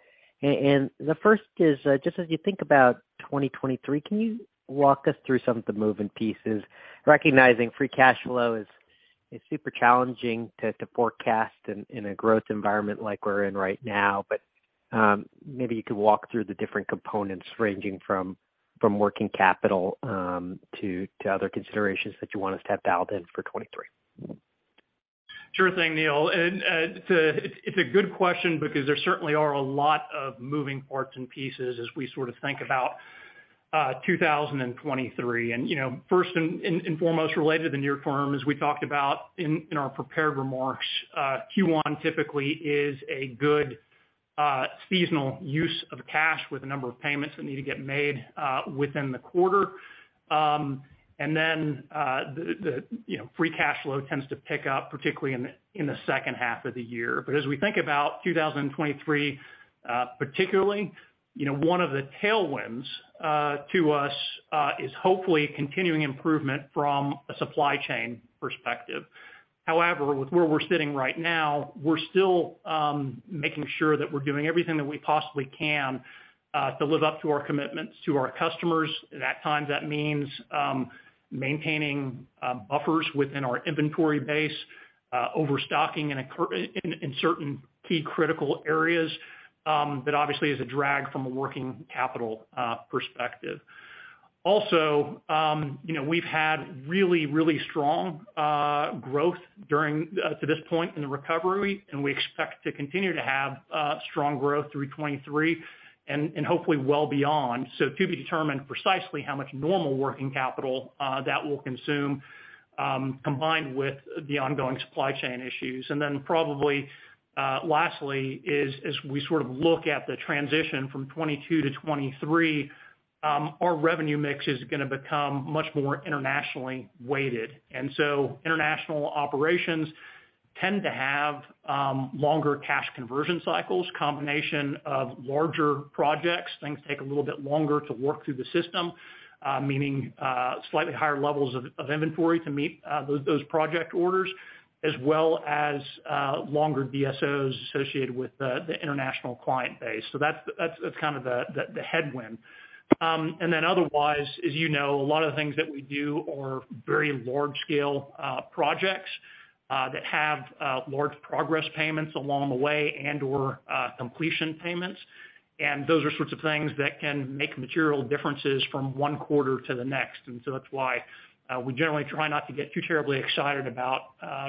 first is, just as you think about 2023, can you walk us through some of the moving pieces, recognizing free cash flow is super challenging to forecast in a growth environment like we're in right now, but maybe you could walk through the different components ranging from working capital to other considerations that you want us to have dialed in for 23. Sure thing, Neil. It's a good question because there certainly are a lot of moving parts and pieces as we sort of think about 2023. You know, first and foremost related to the near term, as we talked about in our prepared remarks, Q1 typically is a good seasonal use of cash with a number of payments that need to get made within the quarter. You know, free cash flow tends to pick up, particularly in the second half of the year. As we think about 2023 Particularly, you know, one of the tailwinds to us is hopefully continuing improvement from a supply chain perspective. However, with where we're sitting right now, we're still making sure that we're doing everything that we possibly can to live up to our commitments to our customers. At times, that means maintaining buffers within our inventory base, overstocking in certain key critical areas, that obviously is a drag from a working capital perspective. Also, you know, we've had really, really strong growth to this point in the recovery, and we expect to continue to have strong growth through 2023 and hopefully well beyond. To be determined precisely how much normal working capital that will consume, combined with the ongoing supply chain issues. Probably, lastly is as we sort of look at the transition from 2022 to 2023, our revenue mix is gonna become much more internationally weighted. International operations tend to have longer cash conversion cycles, combination of larger projects. Things take a little bit longer to work through the system, meaning slightly higher levels of inventory to meet those project orders, as well as longer DSOs associated with the international client base. That's kind of the headwind. Otherwise, as you know, a lot of the things that we do are very large scale projects that have large progress payments along the way and/or completion payments. Those are sorts of things that can make material differences from one quarter to the next. That's why, we generally try not to get too terribly excited about,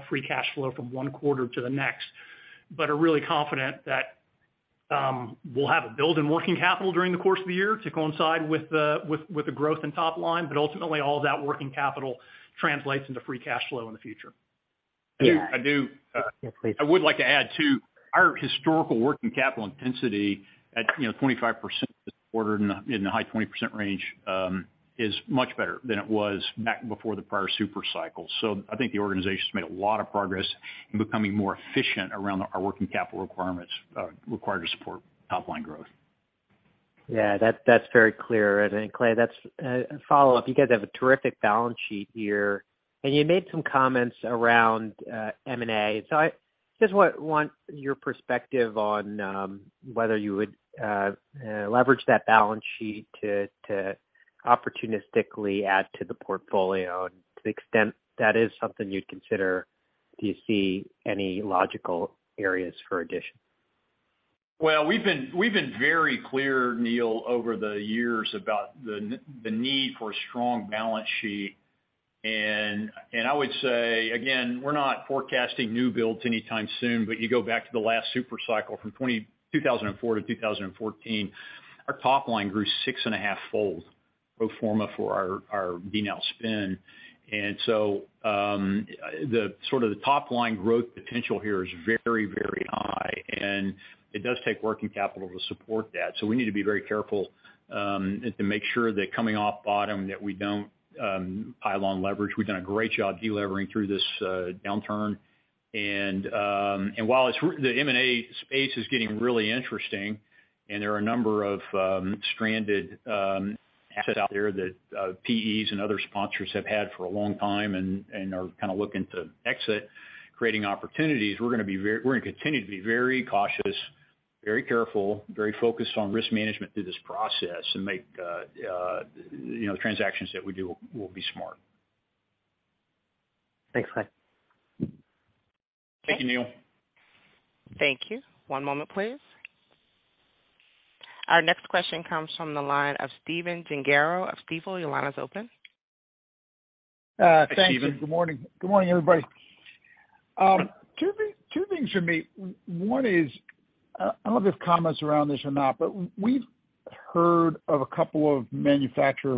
free cash flow from one quarter to the next, but are really confident that, we'll have a build in working capital during the course of the year to coincide with the growth in top line. Ultimately, all that working capital translates into free cash flow in the future. I do. Yes, please. I would like to add too, our historical working capital intensity at, you know, 25% quarter, in the high 20% range, is much better than it was back before the prior super cycle. I think the organization's made a lot of progress in becoming more efficient around our working capital requirements required to support top line growth. Yeah. That's very clear. Clay, that's a follow-up. You guys have a terrific balance sheet here, and you made some comments around M&A. I just want your perspective on whether you would leverage that balance sheet to opportunistically add to the portfolio. To the extent that is something you'd consider, do you see any logical areas for addition? Well, we've been very clear, Neil, over the years about the need for a strong balance sheet. I would say again, we're not forecasting new builds anytime soon, but you go back to the last super cycle from 2004 to 2014, our top line grew six and a half fold pro forma for our DNOW spin. The sort of the top line growth potential here is very, very high, and it does take working capital to support that. We need to be very careful, and to make sure that coming off bottom, that we don't pile on leverage. We've done a great job delevering through this downturn. While the M&A space is getting really interesting and there are a number of stranded assets out there that PEs and other sponsors have had for a long time and are kind of looking to exit, creating opportunities, we're gonna continue to be very cautious, very careful, very focused on risk management through this process and make, you know, transactions that we do will be smart. Thanks, Clay. Thank you, Neil. Thank you. One moment please. Our next question comes from the line of Stephen Gengaro of Stifel. Your line is open. Hi, Steven. Thank you. Good morning, everybody. Two things from me. One is, I don't know if there's comments around this or not, but we've heard of one manufacturer,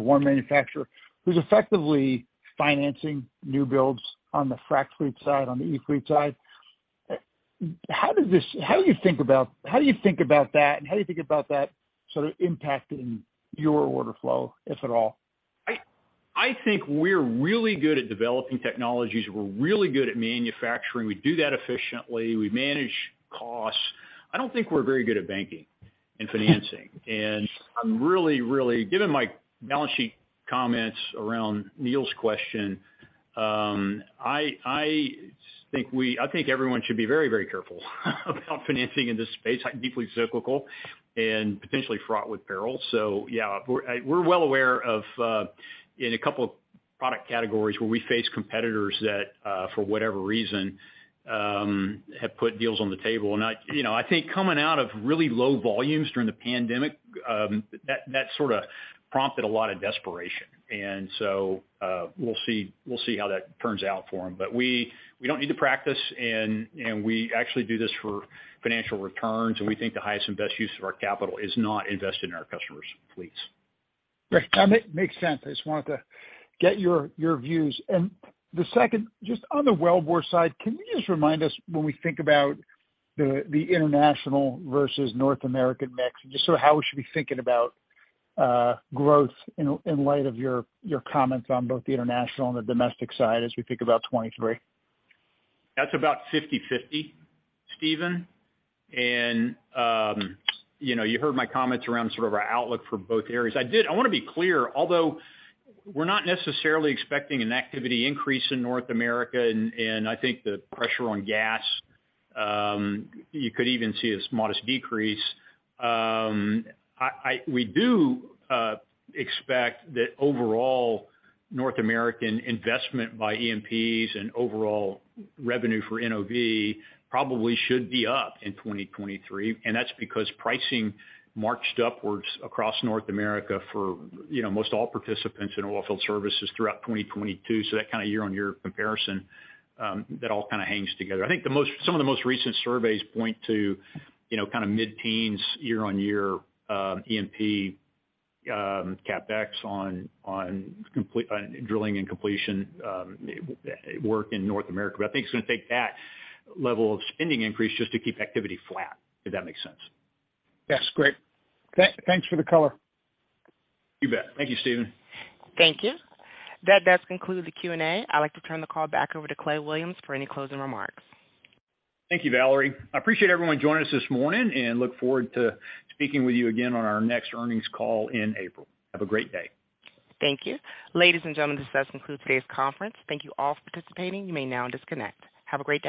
who's effectively financing new builds on the frac fleet side, on the e-fleet side. How do you think about that, and how do you think about that sort of impacting your order flow, if at all? I think we're really good at developing technologies. We're really good at manufacturing. We do that efficiently. We manage costs. I don't think we're very good at banking and financing. I'm really, really given my balance sheet comments around Neil's question, I think everyone should be very, very careful about financing in this space. It can be deeply cyclical and potentially fraught with peril. Yeah, we're well aware of in a couple product categories where we face competitors that for whatever reason have put deals on the table. I, you know, I think coming out of really low volumes during the pandemic, that sort of prompted a lot of desperation. We'll see how that turns out for them. We don't need to practice and we actually do this for financial returns, and we think the highest and best use of our capital is not investing in our customers' fleets. Great. That makes sense. I just wanted to get your views. The second, just on the wellbore side, can you just remind us when we think about the international versus North American mix and just sort of how we should be thinking about growth in light of your comments on both the international and the domestic side as we think about 2023? That's about 50/50, Steven. You know, you heard my comments around sort of our outlook for both areas. I wanna be clear, although we're not necessarily expecting an activity increase in North America, and I think the pressure on gas, you could even see a modest decrease. We do expect that overall North American investment by E&Ps and overall revenue for NOV probably should be up in 2023, and that's because pricing marched upwards across North America for, you know, most all participants in oilfield services throughout 2022. That kind of year-over-year comparison, that all kind of hangs together. I think some of the most recent surveys point to, you know, kind of mid-teens year-over-year E&P CapEx on drilling and completion work in North America. I think it's gonna take that level of spending increase just to keep activity flat, if that makes sense. Yes. Great. Thanks for the color. You bet. Thank you, Stephen. Thank you. That does conclude the Q&A. I'd like to turn the call back over to Clay Williams for any closing remarks. Thank you, Valerie. I appreciate everyone joining us this morning and look forward to speaking with you again on our next earnings call in April. Have a great day. Thank you. Ladies and gentlemen, this does conclude today's conference. Thank you all for participating. You may now disconnect. Have a great day.